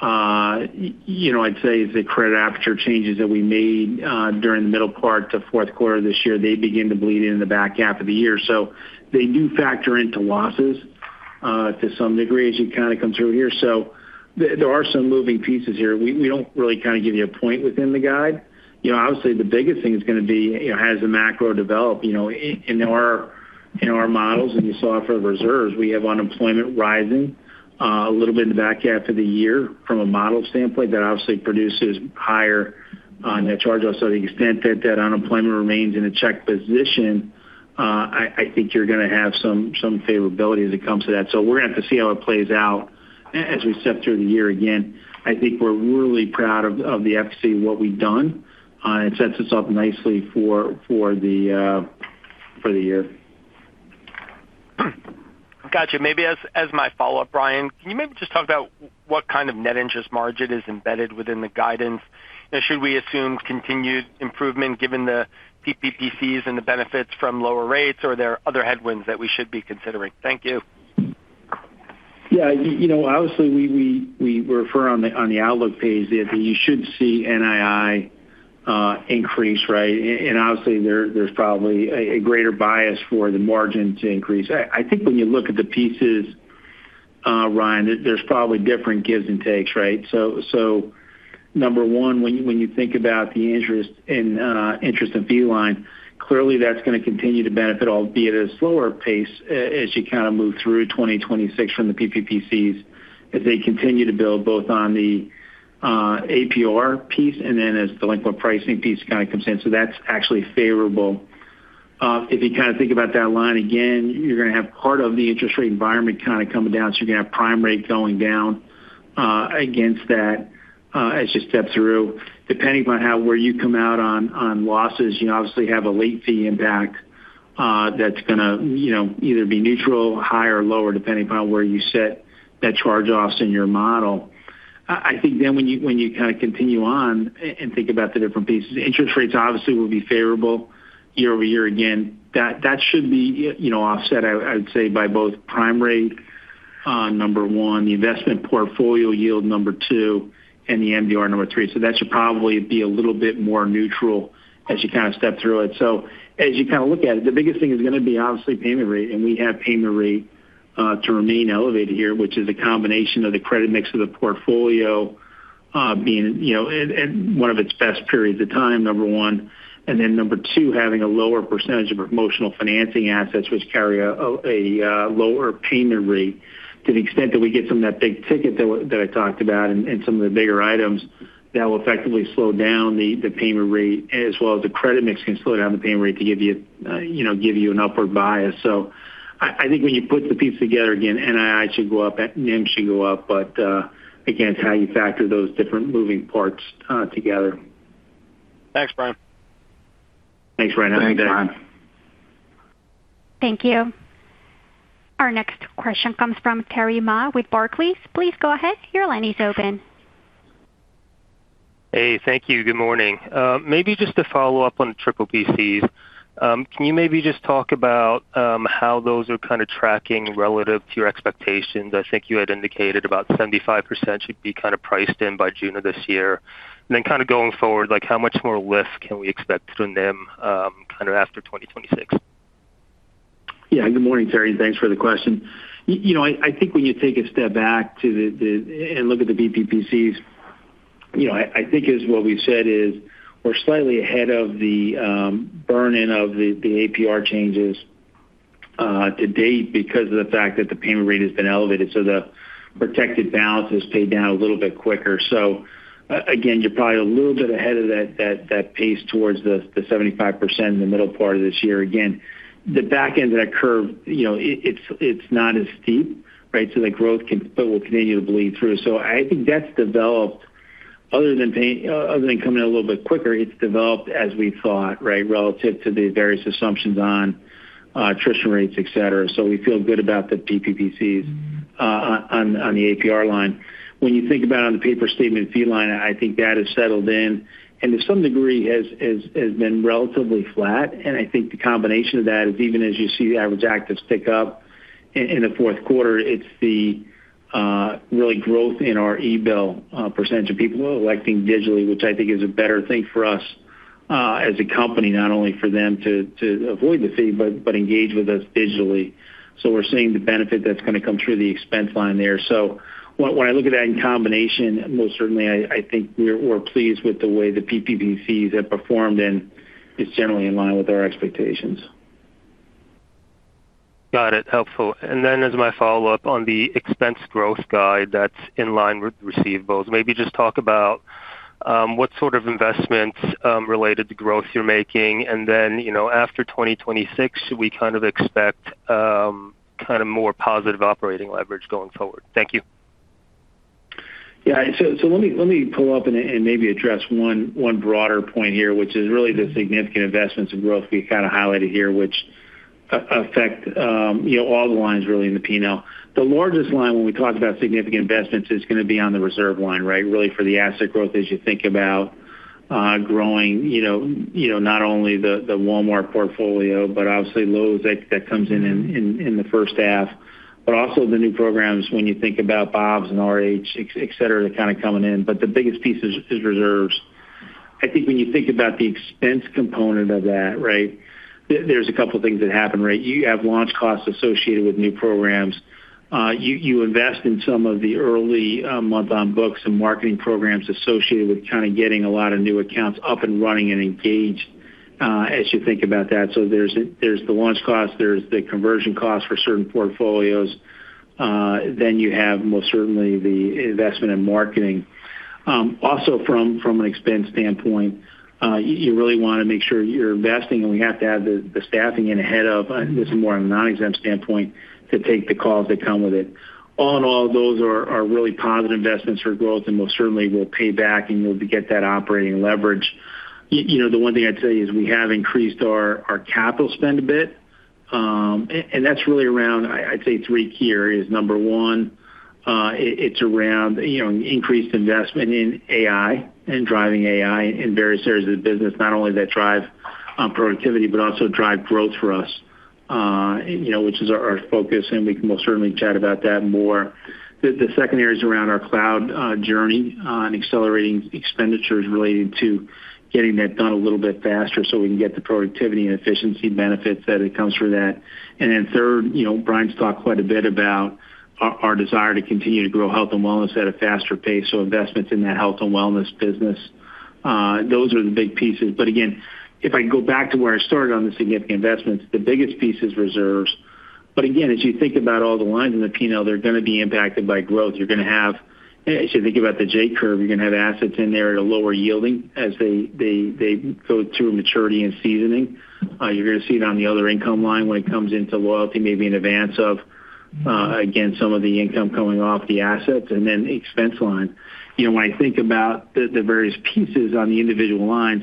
you know, I'd say the credit aperture changes that we made during the middle part to fourth quarter of this year. They begin to bleed in the back half of the year. So they do factor into losses to some degree, as you kind of come through here. So there are some moving pieces here. We don't really kind of give you a point within the guide. You know, obviously, the biggest thing is going to be, you know, how does the macro develop? You know, in our models, and you saw it for reserves, we have unemployment rising, a little bit in the back half of the year from a model standpoint. That obviously produces higher net charge-offs. So to the extent that that unemployment remains in a checked position, I think you're going to have some favorability as it comes to that. So we're going to have to see how it plays out as we step through the year. Again, I think we're really proud of the execution of what we've done. It sets us up nicely for the year. Gotcha. Maybe as my follow-up, Brian, can you maybe just talk about what kind of net interest margin is embedded within the guidance? And should we assume continued improvement, given the PPPCs and the benefits from lower rates, or are there other headwinds that we should be considering? Thank you. Yeah, you know, obviously, we refer on the outlook page that you should see NII increase, right? And obviously, there's probably a greater bias for the margin to increase. I think when you look at the pieces, Ryan, there's probably different gives and takes, right? So number one, when you think about the interest and fee line, clearly that's going to continue to benefit, albeit at a slower pace, as you kind of move through 2026 from the PPPCs, as they continue to build both on the APR piece and then as delinquent pricing piece kind of comes in. So that's actually favorable. If you kind of think about that line again, you're going to have part of the interest rate environment kind of coming down, so you're going to have prime rate going down, against that, as you step through. Depending upon where you come out on losses, you obviously have a late fee impact, that's going to, you know, either be neutral, higher or lower, depending upon where you set that charge-offs in your model. I think then when you kind of continue on and think about the different pieces, interest rates obviously will be favorable year-over-year. Again, that should be, you know, offset, I'd say, by both prime rate, number one, the investment portfolio yield, number two, and the MDR, number three. So that should probably be a little bit more neutral as you kind of step through it. So as you kind of look at it, the biggest thing is going to be obviously payment rate, and we have payment rate to remain elevated here, which is a combination of the credit mix of the portfolio, being, you know, in one of its best periods of time, number one. And then number two, having a lower percentage of promotional financing assets, which carry a lower payment rate. To the extent that we get some of that big ticket that I talked about, and some of the bigger items, that will effectively slow down the payment rate, as well as the credit mix can slow down the payment rate to give you, you know, an upward bias. I think when you put the pieces together, again, NII should go up, NIM should go up, but again, it's how you factor those different moving parts together. Thanks, Brian. Thanks, Brian. Have a good day. Thanks, Brian. Thank you. Our next question comes from Terry Ma with Barclays. Please go ahead. Your line is open. Hey, thank you. Good morning. Maybe just to follow up on PPPC. Can you maybe just talk about how those are kind of tracking relative to your expectations? I think you had indicated about 75% should be kind of priced in by June of this year. And then kind of going forward, like, how much more lift can we expect from NIM kind of after 2026? Yeah. Good morning, Terry. Thanks for the question. You know, I think when you take a step back to the and look at the PPPCs, you know, I think as what we've said is, we're slightly ahead of the burn-in of the APR changes to date because of the fact that the payment rate has been elevated, so the protected balance has paid down a little bit quicker. So, again, you're probably a little bit ahead of that pace towards the 75% in the middle part of this year. Again, the back end of that curve, you know, it's not as steep, right? So the growth can't but will continue to bleed through. So I think that's developed, other than coming in a little bit quicker, it's developed as we thought, right? Relative to the various assumptions on attrition rates, et cetera. So we feel good about the PPPCs on the APR line. When you think about the paper statement fee line, I think that has settled in, and to some degree, has been relatively flat. And I think the combination of that is even as you see the average actives pick up in the fourth quarter. It's really the growth in our e-bill percentage of people electing digitally, which I think is a better thing for us as a company, not only for them to avoid the fee, but engage with us digitally. So we're seeing the benefit that's going to come through the expense line there. So when I look at that in combination, most certainly, I think we're pleased with the way the PPPCs have performed, and it's generally in line with our expectations. Got it. Helpful. And then as my follow-up on the expense growth guide that's in line with receivables, maybe just talk about, what sort of investments, related to growth you're making, and then, you know, after 2026, should we kind of expect, kind of more positive operating leverage going forward? Thank you. Yeah. So let me pull up and maybe address one broader point here, which is really the significant investments in growth we kind of highlighted here, which affect you know, all the lines really in the P&L. The largest line when we talk about significant investments is going to be on the reserve line, right? Really for the asset growth, as you think about growing, you know, not only the Walmart portfolio, but obviously Lowe's that comes in the first half. But also the new programs when you think about Bob's and RH, et cetera, kind of coming in. But the biggest piece is reserves. I think when you think about the expense component of that, right, there's a couple things that happen, right? You have launch costs associated with new programs. You invest in some of the early month on books and marketing programs associated with kind of getting a lot of new accounts up and running and engaged, as you think about that. So there's the launch cost, there's the conversion cost for certain portfolios. Then you have most certainly the investment in marketing. Also from an expense standpoint, you really want to make sure you're investing, and we have to have the staffing in ahead of this. This is more on a non-exempt standpoint, to take the calls that come with it. All in all, those are really positive investments for growth, and most certainly will pay back, and you'll get that operating leverage. You know, the one thing I'd say is we have increased our capital spend a bit. That's really around, I'd say, three key areas. Number one, it's around, you know, increased investment in AI and driving AI in various areas of the business, not only that drive productivity, but also drive growth for us, you know, which is our, our focus, and we can most certainly chat about that more. The second area is around our cloud journey on accelerating expenditures related to getting that done a little bit faster, so we can get the productivity and efficiency benefits that it comes from that. And then third, you know, Brian's talked quite a bit about our, our desire to continue to grow Health & Wellness at a faster pace, so investments in that Health & Wellness business. Those are the big pieces. But again, if I go back to where I started on the significant investments, the biggest piece is reserves. But again, as you think about all the lines in the P&L, they're going to be impacted by growth. You're going to have... As you think about the J curve, you're going to have assets in there at a lower yielding as they go through maturity and seasoning. You're going to see it on the other income line when it comes into loyalty, maybe in advance of, again, some of the income coming off the assets, and then the expense line. You know, when I think about the various pieces on the individual lines,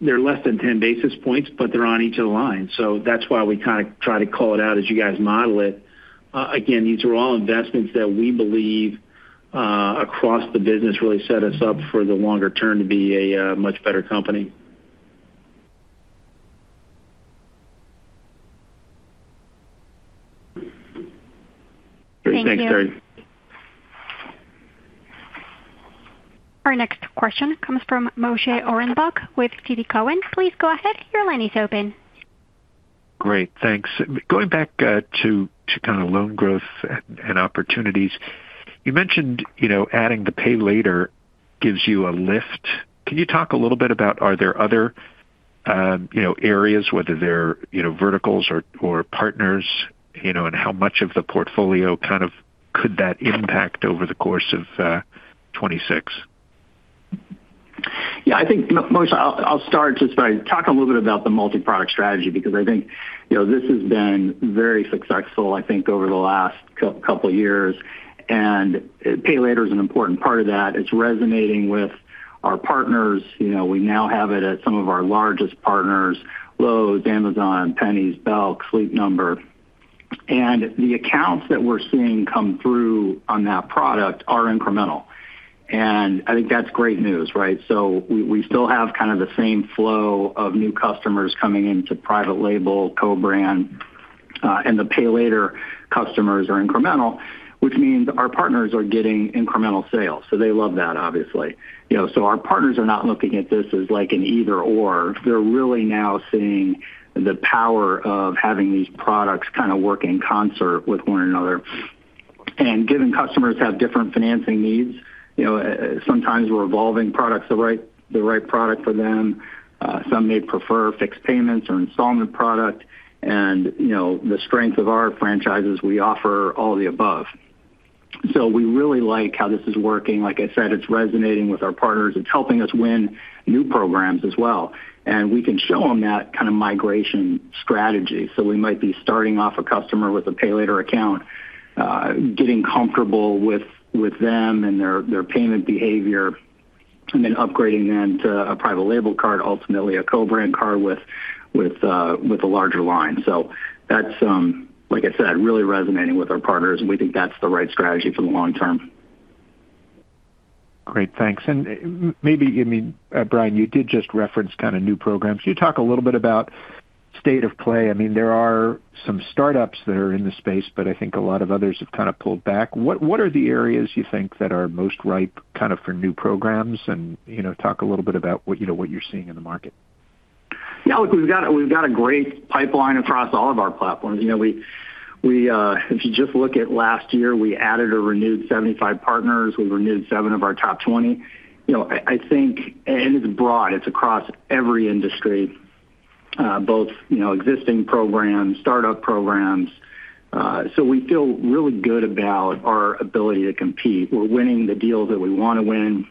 they're less than ten basis points, but they're on each of the lines. So that's why we kind of try to call it out as you guys model it. Again, these are all investments that we believe, across the business, really set us up for the longer term to be a much better company. Thank you. Thanks, Terry. ...Our next question comes from Moshe Orenbuch with TD Cowen. Please go ahead. Your line is open. Great, thanks. Going back to kind of loan growth and opportunities, you mentioned, you know, adding the Pay Later gives you a lift. Can you talk a little bit about are there other, you know, areas, whether they're, you know, verticals or partners, you know, and how much of the portfolio kind of could that impact over the course of 2026? Yeah, I think, Moshe, I'll start just by talking a little bit about the multiproduct strategy, because I think, you know, this has been very successful, I think, over the last couple years, and Pay Later is an important part of that. It's resonating with our partners. You know, we now have it at some of our largest partners, Lowe's, Amazon, Penney's, Belk, Sleep Number. And the accounts that we're seeing come through on that product are incremental, and I think that's great news, right? So we still have kind of the same flow of new customers coming into private label, co-brand, and the Pay Later customers are incremental, which means our partners are getting incremental sales, so they love that, obviously. You know, so our partners are not looking at this as, like, an either/or. They're really now seeing the power of having these products kind of work in concert with one another. And given customers have different financing needs, you know, sometimes we're evolving products, the right, the right product for them. Some may prefer fixed payments or installment product, and, you know, the strength of our franchises, we offer all of the above. So we really like how this is working. Like I said, it's resonating with our partners. It's helping us win new programs as well, and we can show them that kind of migration strategy. So we might be starting off a customer with a Pay Later account, getting comfortable with, with them and their, their payment behavior, and then upgrading them to a private label card, ultimately a co-brand card with, with a larger line. So that's, like I said, really resonating with our partners, and we think that's the right strategy for the long term. Great, thanks. And maybe, I mean, Brian, you did just reference kind of new programs. Can you talk a little bit about state of play? I mean, there are some startups that are in the space, but I think a lot of others have kind of pulled back. What are the areas you think that are most ripe kind of for new programs? And, you know, talk a little bit about what, you know, you're seeing in the market. Yeah, look, we've got a, we've got a great pipeline across all of our platforms. You know, if you just look at last year, we added or renewed 75 partners. We renewed seven of our top 20. You know, I think and it's broad. It's across every industry, both, you know, existing programs, startup programs. So we feel really good about our ability to compete. We're winning the deals that we want to win.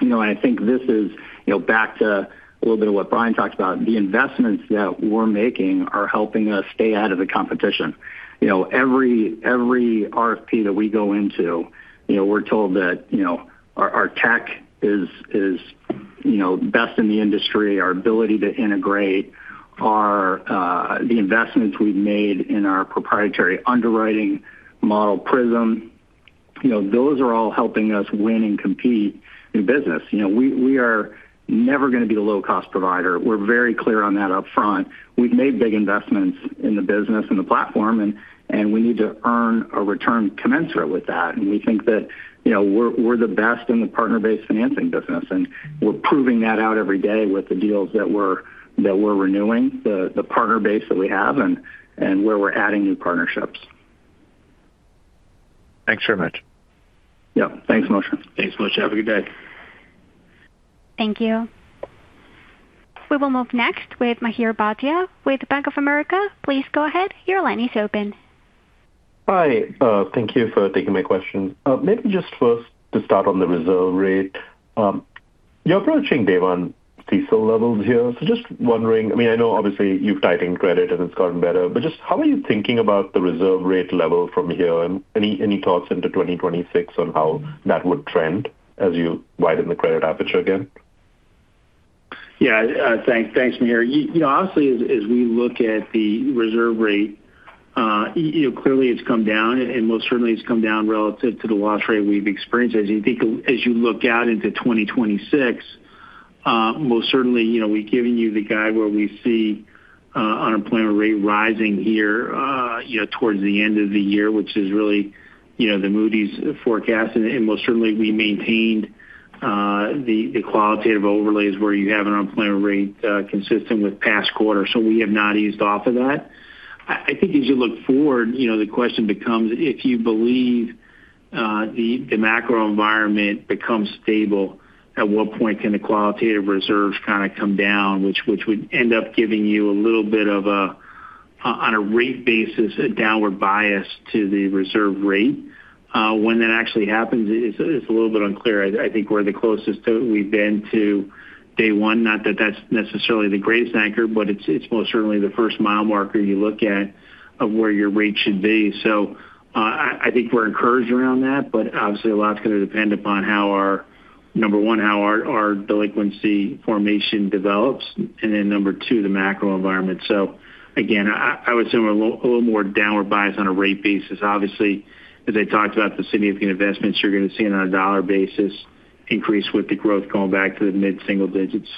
You know, and I think this is, you know, back to a little bit of what Brian talked about, the investments that we're making are helping us stay ahead of the competition. You know, every RFP that we go into, you know, we're told that, you know, our tech is, you know, best in the industry, our ability to integrate, the investments we've made in our proprietary underwriting model, PRISM, you know, those are all helping us win and compete in business. You know, we are never going to be the low-cost provider. We're very clear on that up front. We've made big investments in the business and the platform, and we need to earn a return commensurate with that, and we think that, you know, we're the best in the partner-based financing business, and we're proving that out every day with the deals that we're renewing, the partner base that we have and where we're adding new partnerships. Thanks very much. Yeah. Thanks, Moshe. Thanks, Moshe. Have a good day. Thank you. We will move next with Mihir Bhatia with Bank of America. Please go ahead. Your line is open. Hi, thank you for taking my question. Maybe just first to start on the reserve rate. You're approaching day one CECL levels here, so just wondering—I mean, I know obviously you've tightened credit, and it's gotten better, but just how are you thinking about the reserve rate level from here? And any thoughts into 2026 on how that would trend as you widen the credit aperture again? Yeah, thanks. Thanks, Mihir. You know, honestly, as we look at the reserve rate, you know, clearly it's come down, and most certainly it's come down relative to the loss rate we've experienced. As you look out into 2026, most certainly, you know, we've given you the guide where we see unemployment rate rising here, you know, towards the end of the year, which is really, you know, the Moody's forecast. And most certainly we maintained the qualitative overlays where you have an unemployment rate consistent with past quarters, so we have not eased off of that. I think as you look forward, you know, the question becomes, if you believe the macro environment becomes stable, at what point can the qualitative reserves kind of come down? Which would end up giving you a little bit of a, on a rate basis, a downward bias to the reserve rate. When that actually happens is a little bit unclear. I think we're the closest to we've been to day one, not that that's necessarily the greatest anchor, but it's most certainly the first mile marker you look at of where your rate should be. So, I think we're encouraged around that, but obviously a lot's going to depend upon how our number one, how our delinquency formation develops, and then number two, the macro environment. So again, I would say we're a little more downward bias on a rate basis. Obviously, as I talked about, the significant investments you're going to see on a dollar basis increase with the growth going back to the mid-single digits....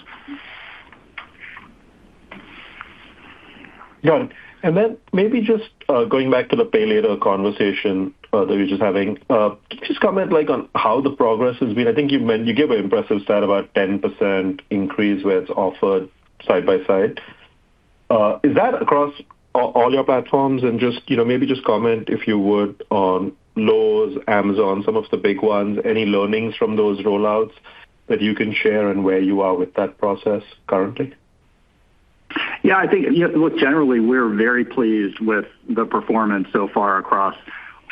Got it. And then maybe just, going back to the Pay Later conversation, that you were just having. Could you just comment, like, on how the progress has been? I think you meant-- you gave an impressive stat about 10% increase where it's offered side by side. Is that across all, all your platforms? And just, you know, maybe just comment, if you would, on Lowe's, Amazon, some of the big ones. Any learnings from those rollouts that you can share, and where you are with that process currently? Yeah, I think, you know, look, generally, we're very pleased with the performance so far across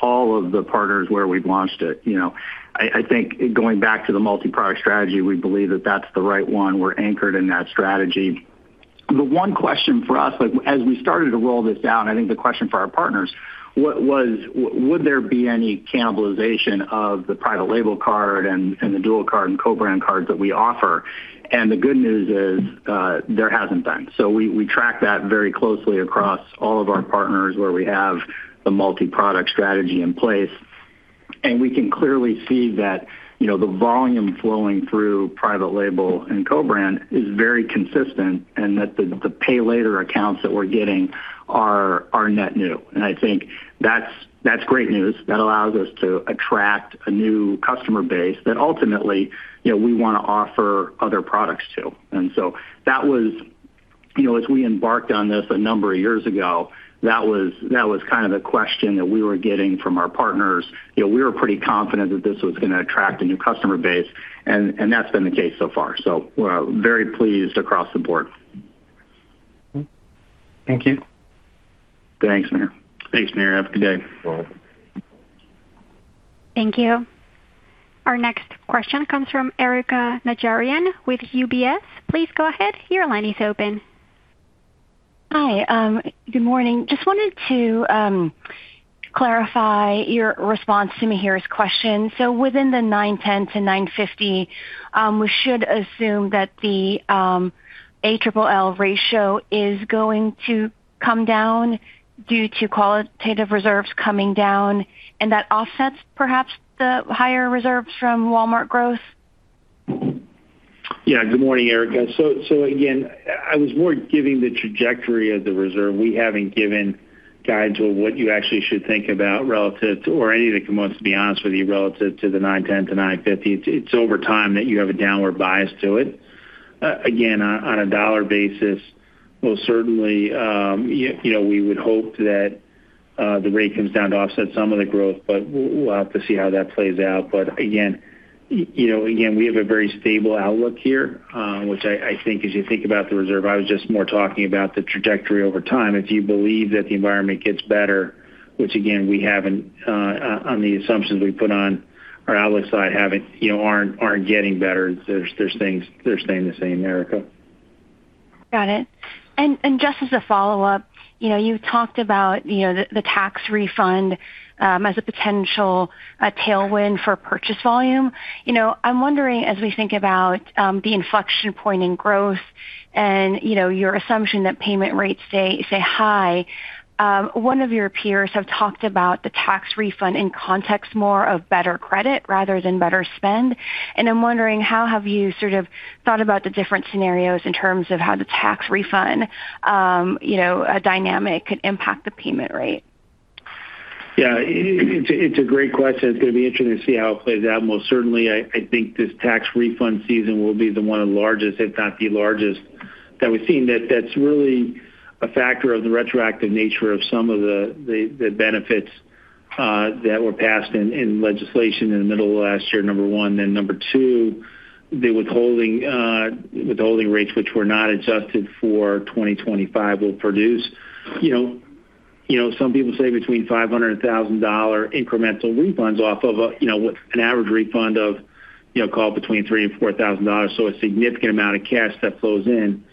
all of the partners where we've launched it. You know, I, I think going back to the multiproduct strategy, we believe that that's the right one. We're anchored in that strategy. The one question for us, like, as we started to roll this out, I think the question for our partners was: Would there be any cannibalization of the private label card and, and the Dual Card and co-brand cards that we offer? And the good news is, there hasn't been. So we track that very closely across all of our partners where we have the multiproduct strategy in place, and we can clearly see that, you know, the volume flowing through private label and co-brand is very consistent, and that the Pay Later accounts that we're getting are net new. And I think that's great news. That allows us to attract a new customer base that ultimately, you know, we want to offer other products to. And so that was... You know, as we embarked on this a number of years ago, that was kind of the question that we were getting from our partners. You know, we were pretty confident that this was going to attract a new customer base, and that's been the case so far, so we're very pleased across the board. Thank you. Thanks, Mihir. Thanks, Mihir. Have a good day. Bye. Thank you. Our next question comes from Erika Najarian with UBS. Please go ahead. Your line is open. Hi, good morning. Just wanted to clarify your response to Mihir's question. So within the 9.10-9.50, we should assume that the ALLL ratio is going to come down due to qualitative reserves coming down, and that offsets perhaps the higher reserves from Walmart growth? Yeah. Good morning, Erika. So again, I was more giving the trajectory of the reserve. We haven't given guidance to what you actually should think about relative to, or anything that comes, to be honest with you, relative to the 9.10 to 9.50. It's over time that you have a downward bias to it. Again, on a dollar basis, most certainly, you know, we would hope that the rate comes down to offset some of the growth, but we'll have to see how that plays out. But again, you know, again, we have a very stable outlook here, which I think as you think about the reserve, I was just more talking about the trajectory over time. If you believe that the environment gets better, which again, we haven't, on the assumptions we've put on our outlook side, haven't you know, aren't getting better. There's things. They're staying the same, Erika. Got it. And just as a follow-up, you know, you talked about, you know, the tax refund as a potential tailwind for purchase volume. You know, I'm wondering, as we think about the inflection point in growth and, you know, your assumption that payment rates stay high, one of your peers have talked about the tax refund in context more of better credit rather than better spend. And I'm wondering, how have you sort of thought about the different scenarios in terms of how the tax refund, you know, a dynamic could impact the payment rate? Yeah, it's a great question. It's going to be interesting to see how it plays out. Most certainly, I think this tax refund season will be one of the largest, if not the largest, that we've seen. That's really a factor of the retroactive nature of some of the benefits that were passed in legislation in the middle of last year, number one. Then number two, the withholding rates, which were not adjusted for 2025, will produce, you know, some people say between $500 and $1,000 incremental refunds off of a, you know, an average refund of, you know, call it between $3,000 and $4,000, so a significant amount of cash that flows in.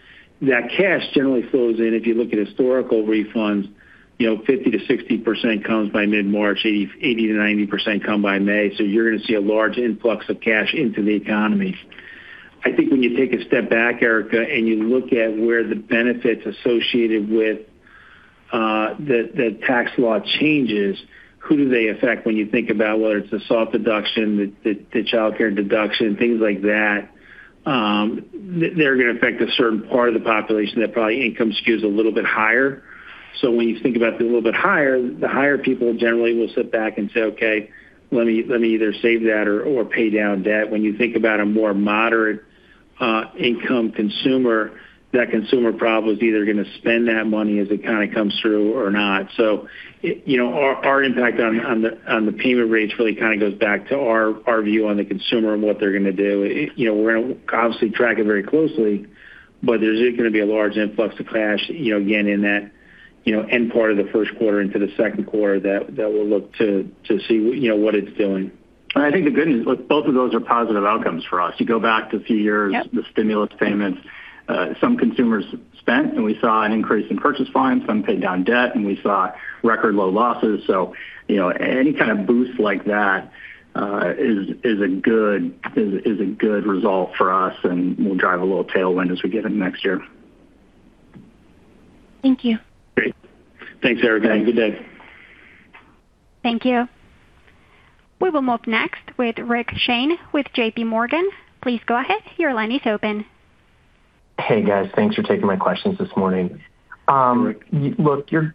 That cash generally flows in, if you look at historical refunds, you know, 50%-60% comes by mid-March, 80%-90% come by May, so you're going to see a large influx of cash into the economy. I think when you take a step back, Erika, and you look at where the benefits associated with the tax law changes, who do they affect when you think about whether it's the SALT deduction, the childcare deduction, things like that, they're going to affect a certain part of the population that probably income skews a little bit higher. So when you think about the little bit higher, the higher people generally will sit back and say, "Okay, let me, let me either save that or, or pay down debt." When you think about a more moderate income consumer, that consumer probably is either going to spend that money as it kind of comes through or not. So you know, our, our impact on the, on the, on the payment rates really kind of goes back to our, our view on the consumer and what they're going to do. You know, we're going to obviously track it very closely, but there's going to be a large influx of cash, you know, again, in that, you know, end part of the first quarter into the second quarter that, that we'll look to, to see you know, what it's doing. I think the good news, look, both of those are positive outcomes for us. You go back a few years- Yep. The stimulus payments, some consumers spent, and we saw an increase in purchase volume. Some paid down debt, and we saw record low losses. So, you know, any kind of boost like that is a good result for us, and will drive a little tailwind as we get into next year. Thank you. Great. Thanks, Erika, and good day.... Thank you. We will move next with Rick Shane, with J.P. Morgan. Please go ahead. Your line is open. Hey, guys, thanks for taking my questions this morning. Look, you're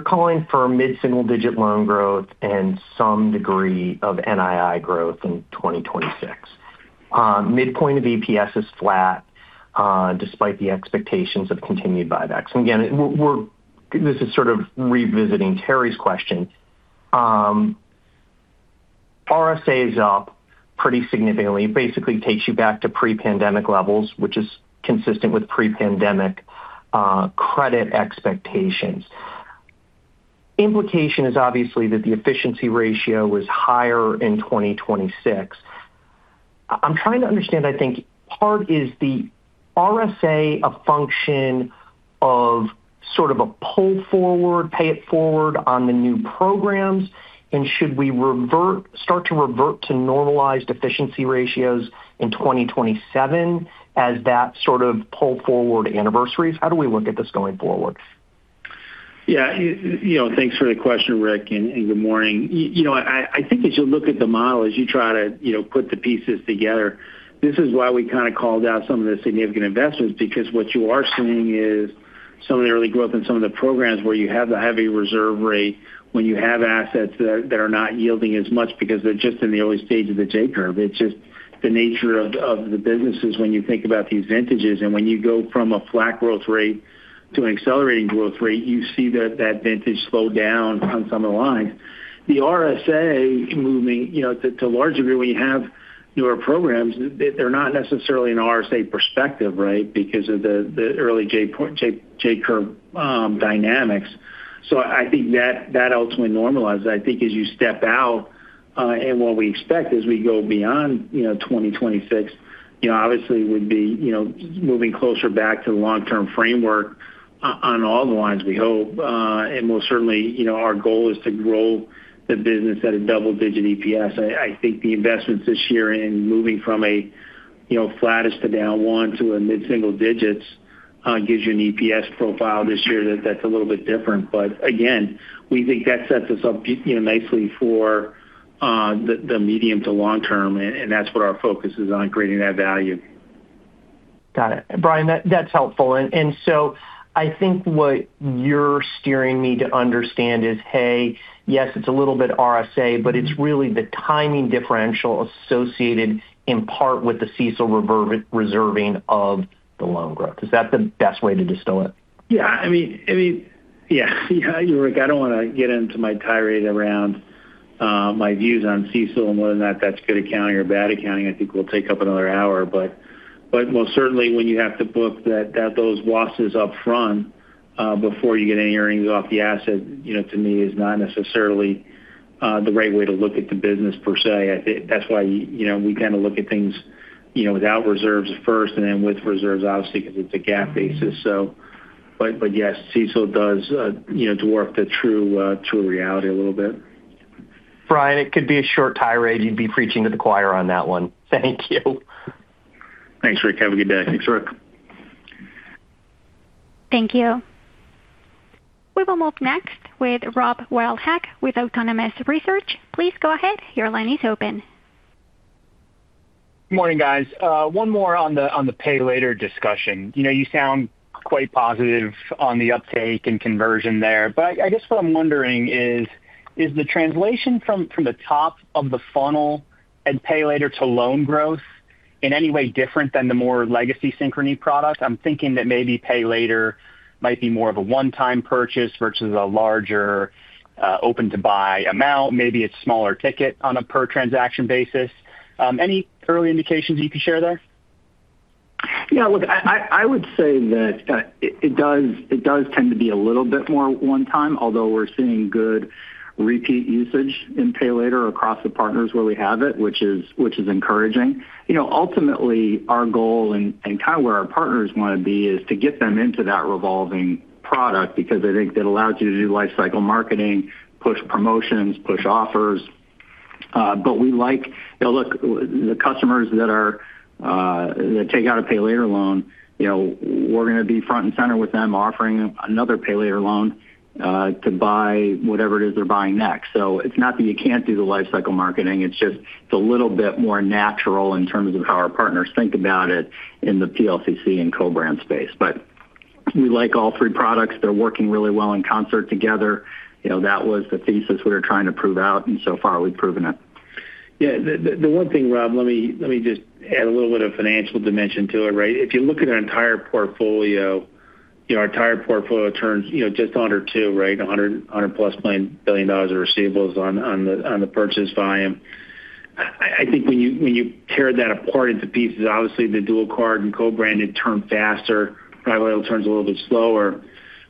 calling for mid-single-digit loan growth and some degree of NII growth in 2026. Midpoint of EPS is flat, despite the expectations of continued buybacks. And again, this is sort of revisiting Terry's question. RSA is up pretty significantly. Basically takes you back to pre-pandemic levels, which is consistent with pre-pandemic credit expectations. Implication is obviously that the efficiency ratio was higher in 2026. I'm trying to understand. I think part is the RSA a function of sort of a pull forward, pay it forward on the new programs? And should we start to revert to normalized efficiency ratios in 2027 as that sort of pull forward anniversaries? How do we look at this going forward? Yeah, you know, thanks for the question, Rick, and good morning. You know what? I think as you look at the model, as you try to, you know, put the pieces together, this is why we kind of called out some of the significant investments, because what you are seeing is some of the early growth in some of the programs where you have the heavy reserve rate, when you have assets that are not yielding as much because they're just in the early stage of the J curve. It's just the nature of the businesses when you think about these vintages, and when you go from a flat growth rate to an accelerating growth rate, you see that vintage slow down on some of the lines. The RSA moving, you know, to a large degree, when you have newer programs, they're not necessarily an RSA perspective, right? Because of the early J curve dynamics. So I think that ultimately normalizes. I think as you step out, and what we expect as we go beyond, you know, 2026, you know, obviously would be, you know, moving closer back to the long-term framework on all the lines, we hope. And most certainly, you know, our goal is to grow the business at a double-digit EPS. I think the investments this year in moving from a, you know, flat to down 1 to a mid-single digits gives you an EPS profile this year that's a little bit different. But again, we think that sets us up, you know, nicely for the medium to long term, and that's what our focus is on, creating that value. Got it. Brian, that's helpful. And so I think what you're steering me to understand is, hey, yes, it's a little bit RSA, but it's really the timing differential associated in part with the CECL reserving of the loan growth. Is that the best way to distill it? Yeah. I mean, yeah, yeah, Rick, I don't wanna get into my tirade around my views on CECL and whether or not that's good accounting or bad accounting. I think we'll take up another hour. But most certainly, when you have to book those losses up front before you get any earnings off the asset, you know, to me is not necessarily the right way to look at the business per se. I think that's why you know, we kind of look at things, you know, without reserves first and then with reserves, obviously, because it's a GAAP basis. So but yes, CECL does, you know, dwarf the true reality a little bit. Brian, it could be a short tirade. You'd be preaching to the choir on that one. Thank you. Thanks, Rick. Have a good day. Thanks, Rick. Thank you. We will move next with Rob Wildhack with Autonomous Research. Please go ahead. Your line is open. Morning, guys. One more on the, on the Pay Later discussion. You know, you sound quite positive on the uptake and conversion there, but I, I guess what I'm wondering is, is the translation from, from the top of the funnel and Pay Later to loan growth in any way different than the more legacy Synchrony product? I'm thinking that maybe Pay Later might be more of a one-time purchase versus a larger, open-to-buy amount. Maybe it's smaller ticket on a per-transaction basis. Any early indications you can share there? Yeah, look, I would say that it does tend to be a little bit more one time, although we're seeing good repeat usage in Pay Later across the partners where we have it, which is encouraging. You know, ultimately, our goal and kind of where our partners want to be is to get them into that revolving product because I think that allows you to do lifecycle marketing, push promotions, push offers. But we like... You know, look, the customers that take out a Pay Later loan, you know, we're going to be front and center with them, offering them another Pay Later loan to buy whatever it is they're buying next. So it's not that you can't do the lifecycle marketing, it's just it's a little bit more natural in terms of how our partners think about it in the PLCC and co-brand space. But we like all three products. They're working really well in concert together. You know, that was the thesis we were trying to prove out, and so far, we've proven it. Yeah, the one thing, Rob, let me just add a little bit of financial dimension to it, right? If you look at our entire portfolio, you know, our entire portfolio turns, you know, just under 2, right? A hundred-plus billion dollars of receivables on the purchase volume. I think when you tear that apart into pieces, obviously the dual card and co-branded turn faster, private label turns a little bit slower.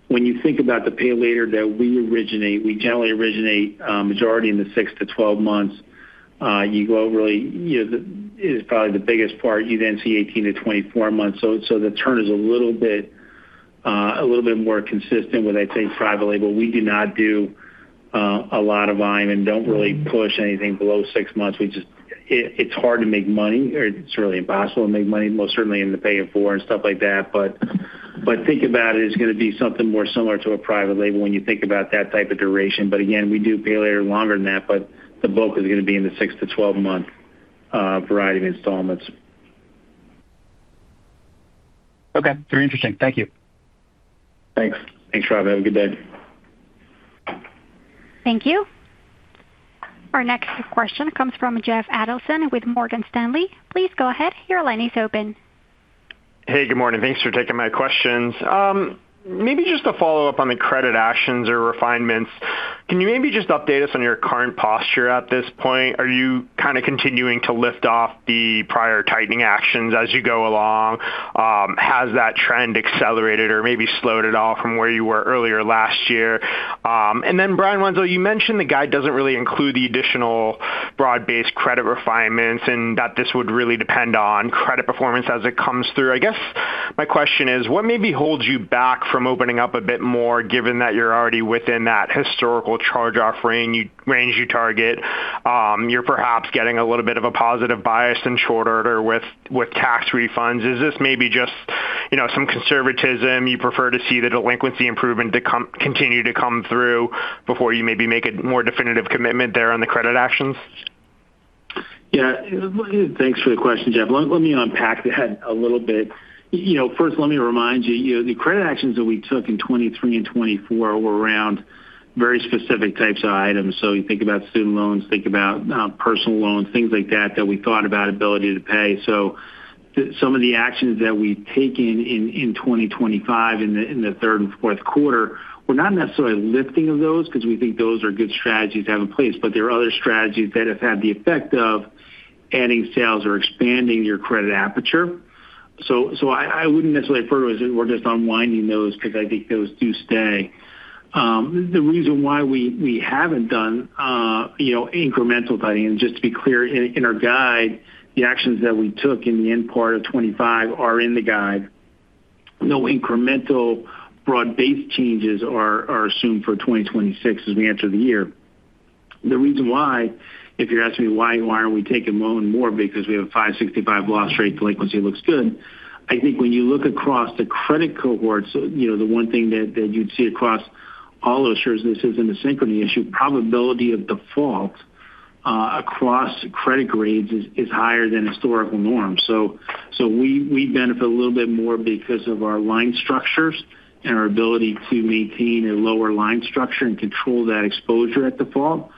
When you think about the Pay Later that we originate, we generally originate majority in the 6-12 months. You go really, you know, it is probably the biggest part. You then see 18-24 months. So the turn is a little bit more consistent with, I'd say, private label. We do not do a lot of volume and don't really push anything below six months. We just-... It's hard to make money, or it's really impossible to make money, most certainly in the pay it forward and stuff like that. But think about it, it's gonna be something more similar to a private label when you think about that type of duration. But again, we do Pay Later longer than that, but the bulk is gonna be in the 6- to 12-month variety of installments. Okay, very interesting. Thank you. Thanks. Thanks, Rob. Have a good day. Thank you. Our next question comes from Jeff Adelson with Morgan Stanley. Please go ahead, your line is open. Hey, good morning. Thanks for taking my questions. Maybe just to follow up on the credit actions or refinements, can you maybe just update us on your current posture at this point? Are you kind of continuing to lift off the prior tightening actions as you go along? Has that trend accelerated or maybe slowed at all from where you were earlier last year? And then, Brian Wenzel, you mentioned the guide doesn't really include the additional broad-based credit refinements, and that this would really depend on credit performance as it comes through. I guess my question is, what maybe holds you back from opening up a bit more, given that you're already within that historical charge-off range you target? You're perhaps getting a little bit of a positive bias in short order with tax refunds. Is this maybe just, you know, some conservatism you prefer to see the delinquency improvement continue to come through before you maybe make a more definitive commitment there on the credit actions? Yeah, thanks for the question, Jeff. Let me unpack that a little bit. You know, first, let me remind you, you know, the credit actions that we took in 2023 and 2024 were around very specific types of items. So you think about student loans, think about personal loans, things like that, that we thought about ability to pay. So some of the actions that we've taken in 2025, in the third and fourth quarter, were not necessarily lifting of those, 'cause we think those are good strategies to have in place. But there are other strategies that have had the effect of adding sales or expanding your credit aperture. So I wouldn't necessarily refer to it as we're just unwinding those, 'cause I think those do stay. The reason why we haven't done, you know, incremental tightening, just to be clear, in our guide, the actions that we took in the end part of 2025 are in the guide. No incremental broad-based changes are assumed for 2026 as we enter the year. The reason why, if you're asking me why, why aren't we loaning more because we have a 5.65 loss rate, delinquency looks good? I think when you look across the credit cohorts, you know, the one thing that you'd see across all issuers, this is in the Synchrony universe, probability of default, across credit grades is higher than historical norms. So we benefit a little bit more because of our line structures and our ability to maintain a lower line structure and control that exposure at default.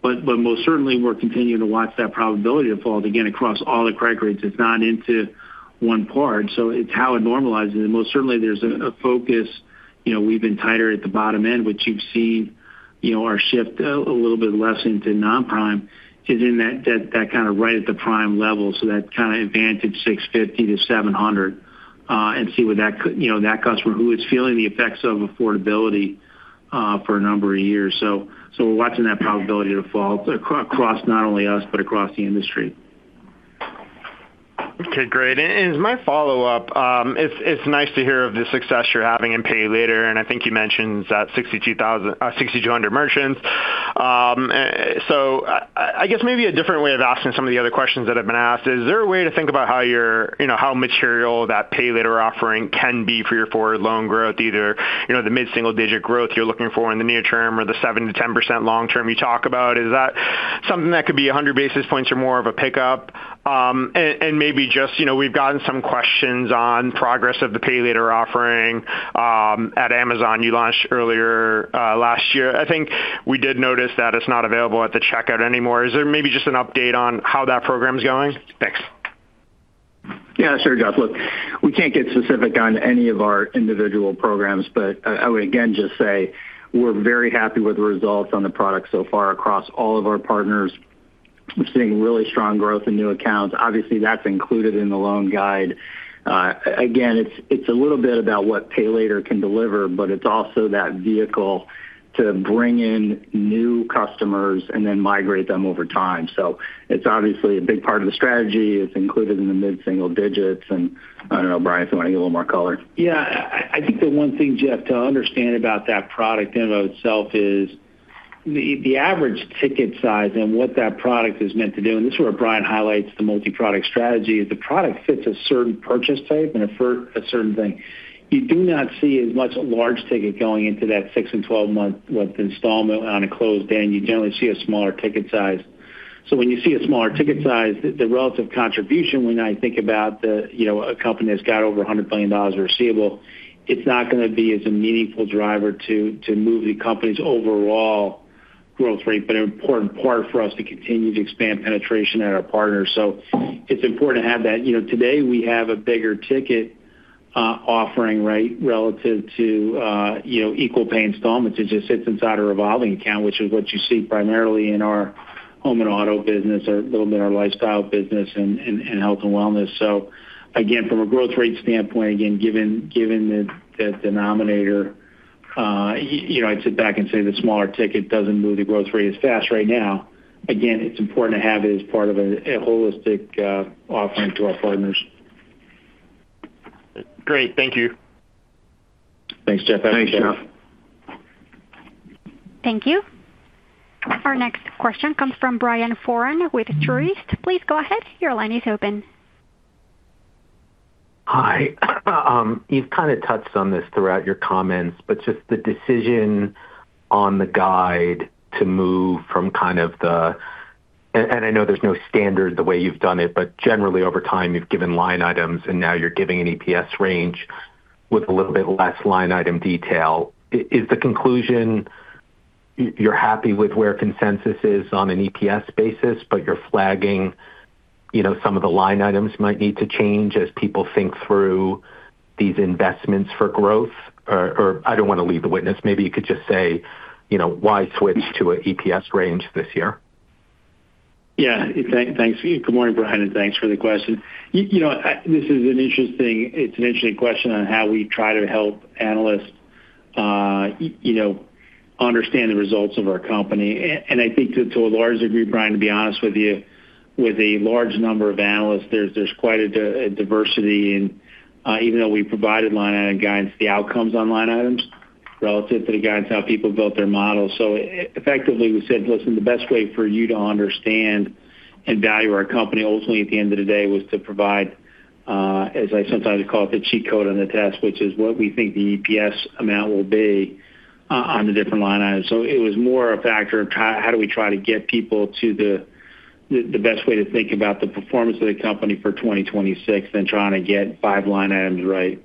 But most certainly, we're continuing to watch that probability of default, again, across all the credit grades. It's not into one part, so it's how it normalizes. And most certainly, there's a focus, you know, we've been tighter at the bottom end, which you've seen, you know, our shift a little bit less into non-prime, is in that kind of right at the prime level, so that kind of advantage 650-700. And see where that customer who is feeling the effects of affordability, for a number of years. So we're watching that probability of default across not only us, but across the industry. Okay, great. And as my follow-up, it's nice to hear of the success you're having in Pay Later, and I think you mentioned that 6,200 merchants. So I guess maybe a different way of asking some of the other questions that have been asked: Is there a way to think about how your you know, how material that Pay Later offering can be for your forward loan growth, either you know, the mid-single-digit growth you're looking for in the near term or the 7%-10% long term you talk about? Is that something that could be 100 basis points or more of a pickup? And maybe just you know, we've gotten some questions on progress of the Pay Later offering at Amazon you launched earlier last year. I think we did notice that it's not available at the checkout anymore. Is there maybe just an update on how that program's going? Thanks. Yeah, sure, Jeff. Look, we can't get specific on any of our individual programs, but I would again just say we're very happy with the results on the product so far across all of our partners. We're seeing really strong growth in new accounts. Obviously, that's included in the loan guide. Again, it's a little bit about what Pay Later can deliver, but it's also that vehicle to bring in new customers and then migrate them over time. So it's obviously a big part of the strategy. It's included in the mid-single digits, and I don't know, Brian, if you want to give a little more color. Yeah. I think the one thing, Jeff, to understand about that product in and of itself is the average ticket size and what that product is meant to do, and this is where Brian highlights the multiproduct strategy, is the product fits a certain purchase type and a certain thing. You do not see as much large ticket going into that 6- and 12-month with installment on a closed end. You generally see a smaller ticket size. So when you see a smaller ticket size, the relative contribution, when I think about the, you know, a company that's got over $100 billion receivable, it's not gonna be as a meaningful driver to move the company's overall growth rate, but an important part for us to continue to expand penetration at our partners. So it's important to have that. You know, today, we have a bigger ticket offering, right, relative to you know, equal pay installments. It just sits inside a revolving account, which is what you see primarily in our Home & Auto business, or a little bit our Lifestyle business, and Health and Wellness. So again, from a growth rate standpoint, again, given the denominator, you know, I'd sit back and say the smaller ticket doesn't move the growth rate as fast right now. Again, it's important to have it as part of a holistic offering to our partners. Great. Thank you. Thanks, Jeff. Thanks, Jeff.... Thank you. Our next question comes from Brian Foran with Truist. Please go ahead. Your line is open. Hi. You've kind of touched on this throughout your comments, but just the decision on the guidance to move from kind of, and I know there's no standard, the way you've done it, but generally, over time, you've given line items, and now you're giving an EPS range with a little bit less line item detail. Is the conclusion you're happy with where consensus is on an EPS basis, but you're flagging, you know, some of the line items might need to change as people think through these investments for growth? Or I don't want to lead the witness. Maybe you could just say, you know, why switch to an EPS range this year? Yeah, thanks. Good morning, Brian, and thanks for the question. You know, this is an interesting, it's an interesting question on how we try to help analysts, you know, understand the results of our company. And I think to, to a large degree, Brian, to be honest with you, with a large number of analysts, there's, there's quite a diversity in, even though we provided line item guidance, the outcomes on line items relative to the guidance, how people built their models. So effectively, we said, "Listen, the best way for you to understand and value our company, ultimately, at the end of the day, was to provide, as I sometimes call it, the cheat code on the test," which is what we think the EPS amount will be on the different line items. So it was more a factor of how do we try to get people to the best way to think about the performance of the company for 2026 than trying to get five line items right.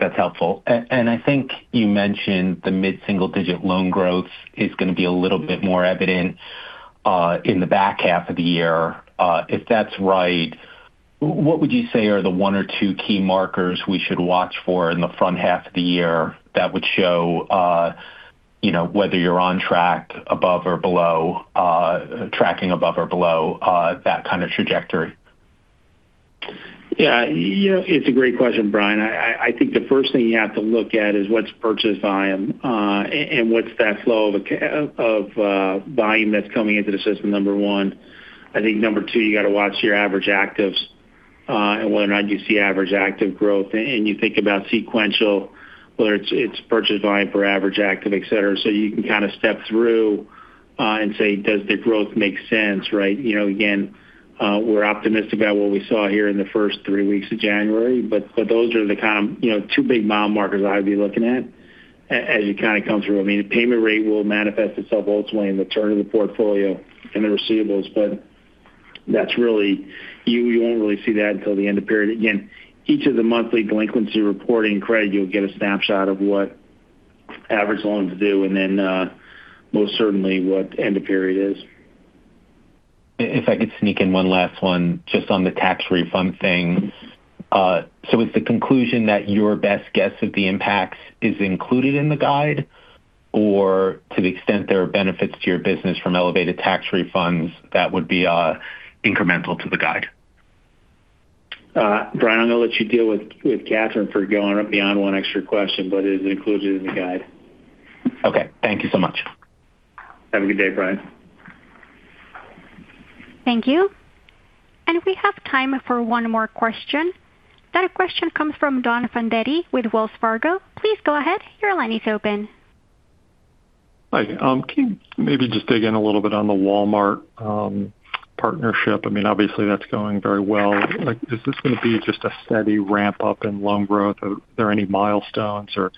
That's helpful. I think you mentioned the mid-single-digit loan growth is gonna be a little bit more evident in the back half of the year. If that's right, what would you say are the one or two key markers we should watch for in the front half of the year that would show, you know, whether you're on track, above or below, tracking above or below that kind of trajectory? Yeah, you know, it's a great question, Brian. I think the first thing you have to look at is what's purchase volume, and what's that flow of volume that's coming into the system, number one. I think number two, you gotta watch your average actives, and whether or not you see average active growth. And you think about sequential, whether it's purchase volume for average active, et cetera. So you can kind of step through, and say: Does the growth make sense, right? You know, again, we're optimistic about what we saw here in the first three weeks of January, but those are the kind of, you know, two big mile markers I'd be looking at as you kind of come through. I mean, the payment rate will manifest itself ultimately in the turn of the portfolio and the receivables, but that's really... You won't really see that until the end of period. Again, each of the monthly delinquency reporting credit, you'll get a snapshot of what average loans do, and then, most certainly, what end of period is. If I could sneak in one last one, just on the tax refund thing. So is the conclusion that your best guess of the impact is included in the guide? Or to the extent there are benefits to your business from elevated tax refunds, that would be, incremental to the guide? Brian, I'm gonna let you deal with Kathryn for going beyond one extra question, but it is included in the guide. Okay, thank you so much. Have a good day, Brian. Thank you. We have time for one more question. That question comes from Don Fandetti with Wells Fargo. Please go ahead. Your line is open. Hi, can you maybe just dig in a little bit on the Walmart, partnership? I mean, obviously that's going very well. Like, is this gonna be just a steady ramp-up in loan growth? Are there any milestones or,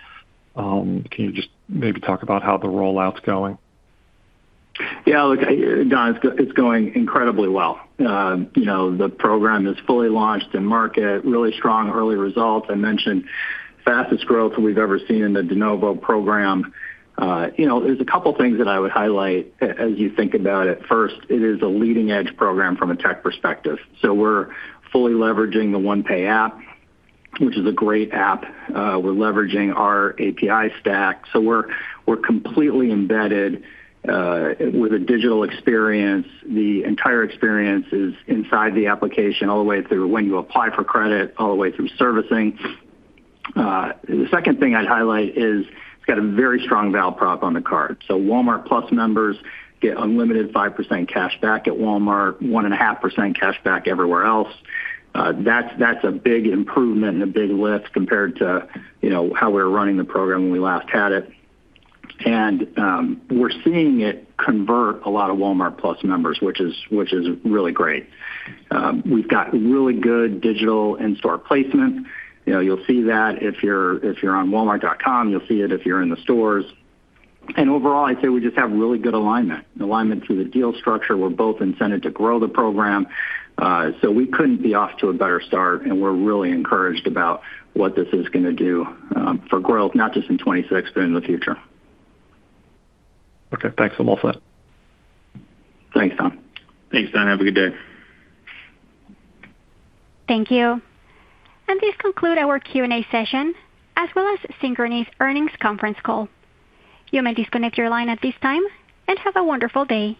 can you just maybe talk about how the rollout's going? Yeah, look, Don, it's going incredibly well. You know, the program is fully launched in market, really strong early results. I mentioned fastest growth we've ever seen in the de novo program. You know, there's a couple things that I would highlight as you think about it. First, it is a leading-edge program from a tech perspective, so we're fully leveraging the One Pay app, which is a great app. We're leveraging our API stack, so we're completely embedded with a digital experience. The entire experience is inside the application all the way through when you apply for credit, all the way through servicing. The second thing I'd highlight is it's got a very strong value prop on the card. So Walmart+ members get unlimited 5% cash back at Walmart, 1.5% cash back everywhere else. That's, that's a big improvement and a big lift compared to, you know, how we were running the program when we last had it. And, we're seeing it convert a lot of Walmart+ members, which is, which is really great. We've got really good digital in-store placement. You know, you'll see that if you're, if you're on Walmart.com. You'll see it if you're in the stores. And overall, I'd say we just have really good alignment, alignment through the deal structure. We're both incented to grow the program, so we couldn't be off to a better start, and we're really encouraged about what this is gonna do, for growth, not just in 2026, but in the future. Okay. Thanks so much for that. Thanks, Don. Thanks, Don. Have a good day. Thank you. This concludes our Q&A session, as well as Synchrony's earnings conference call. You may disconnect your line at this time, and have a wonderful day.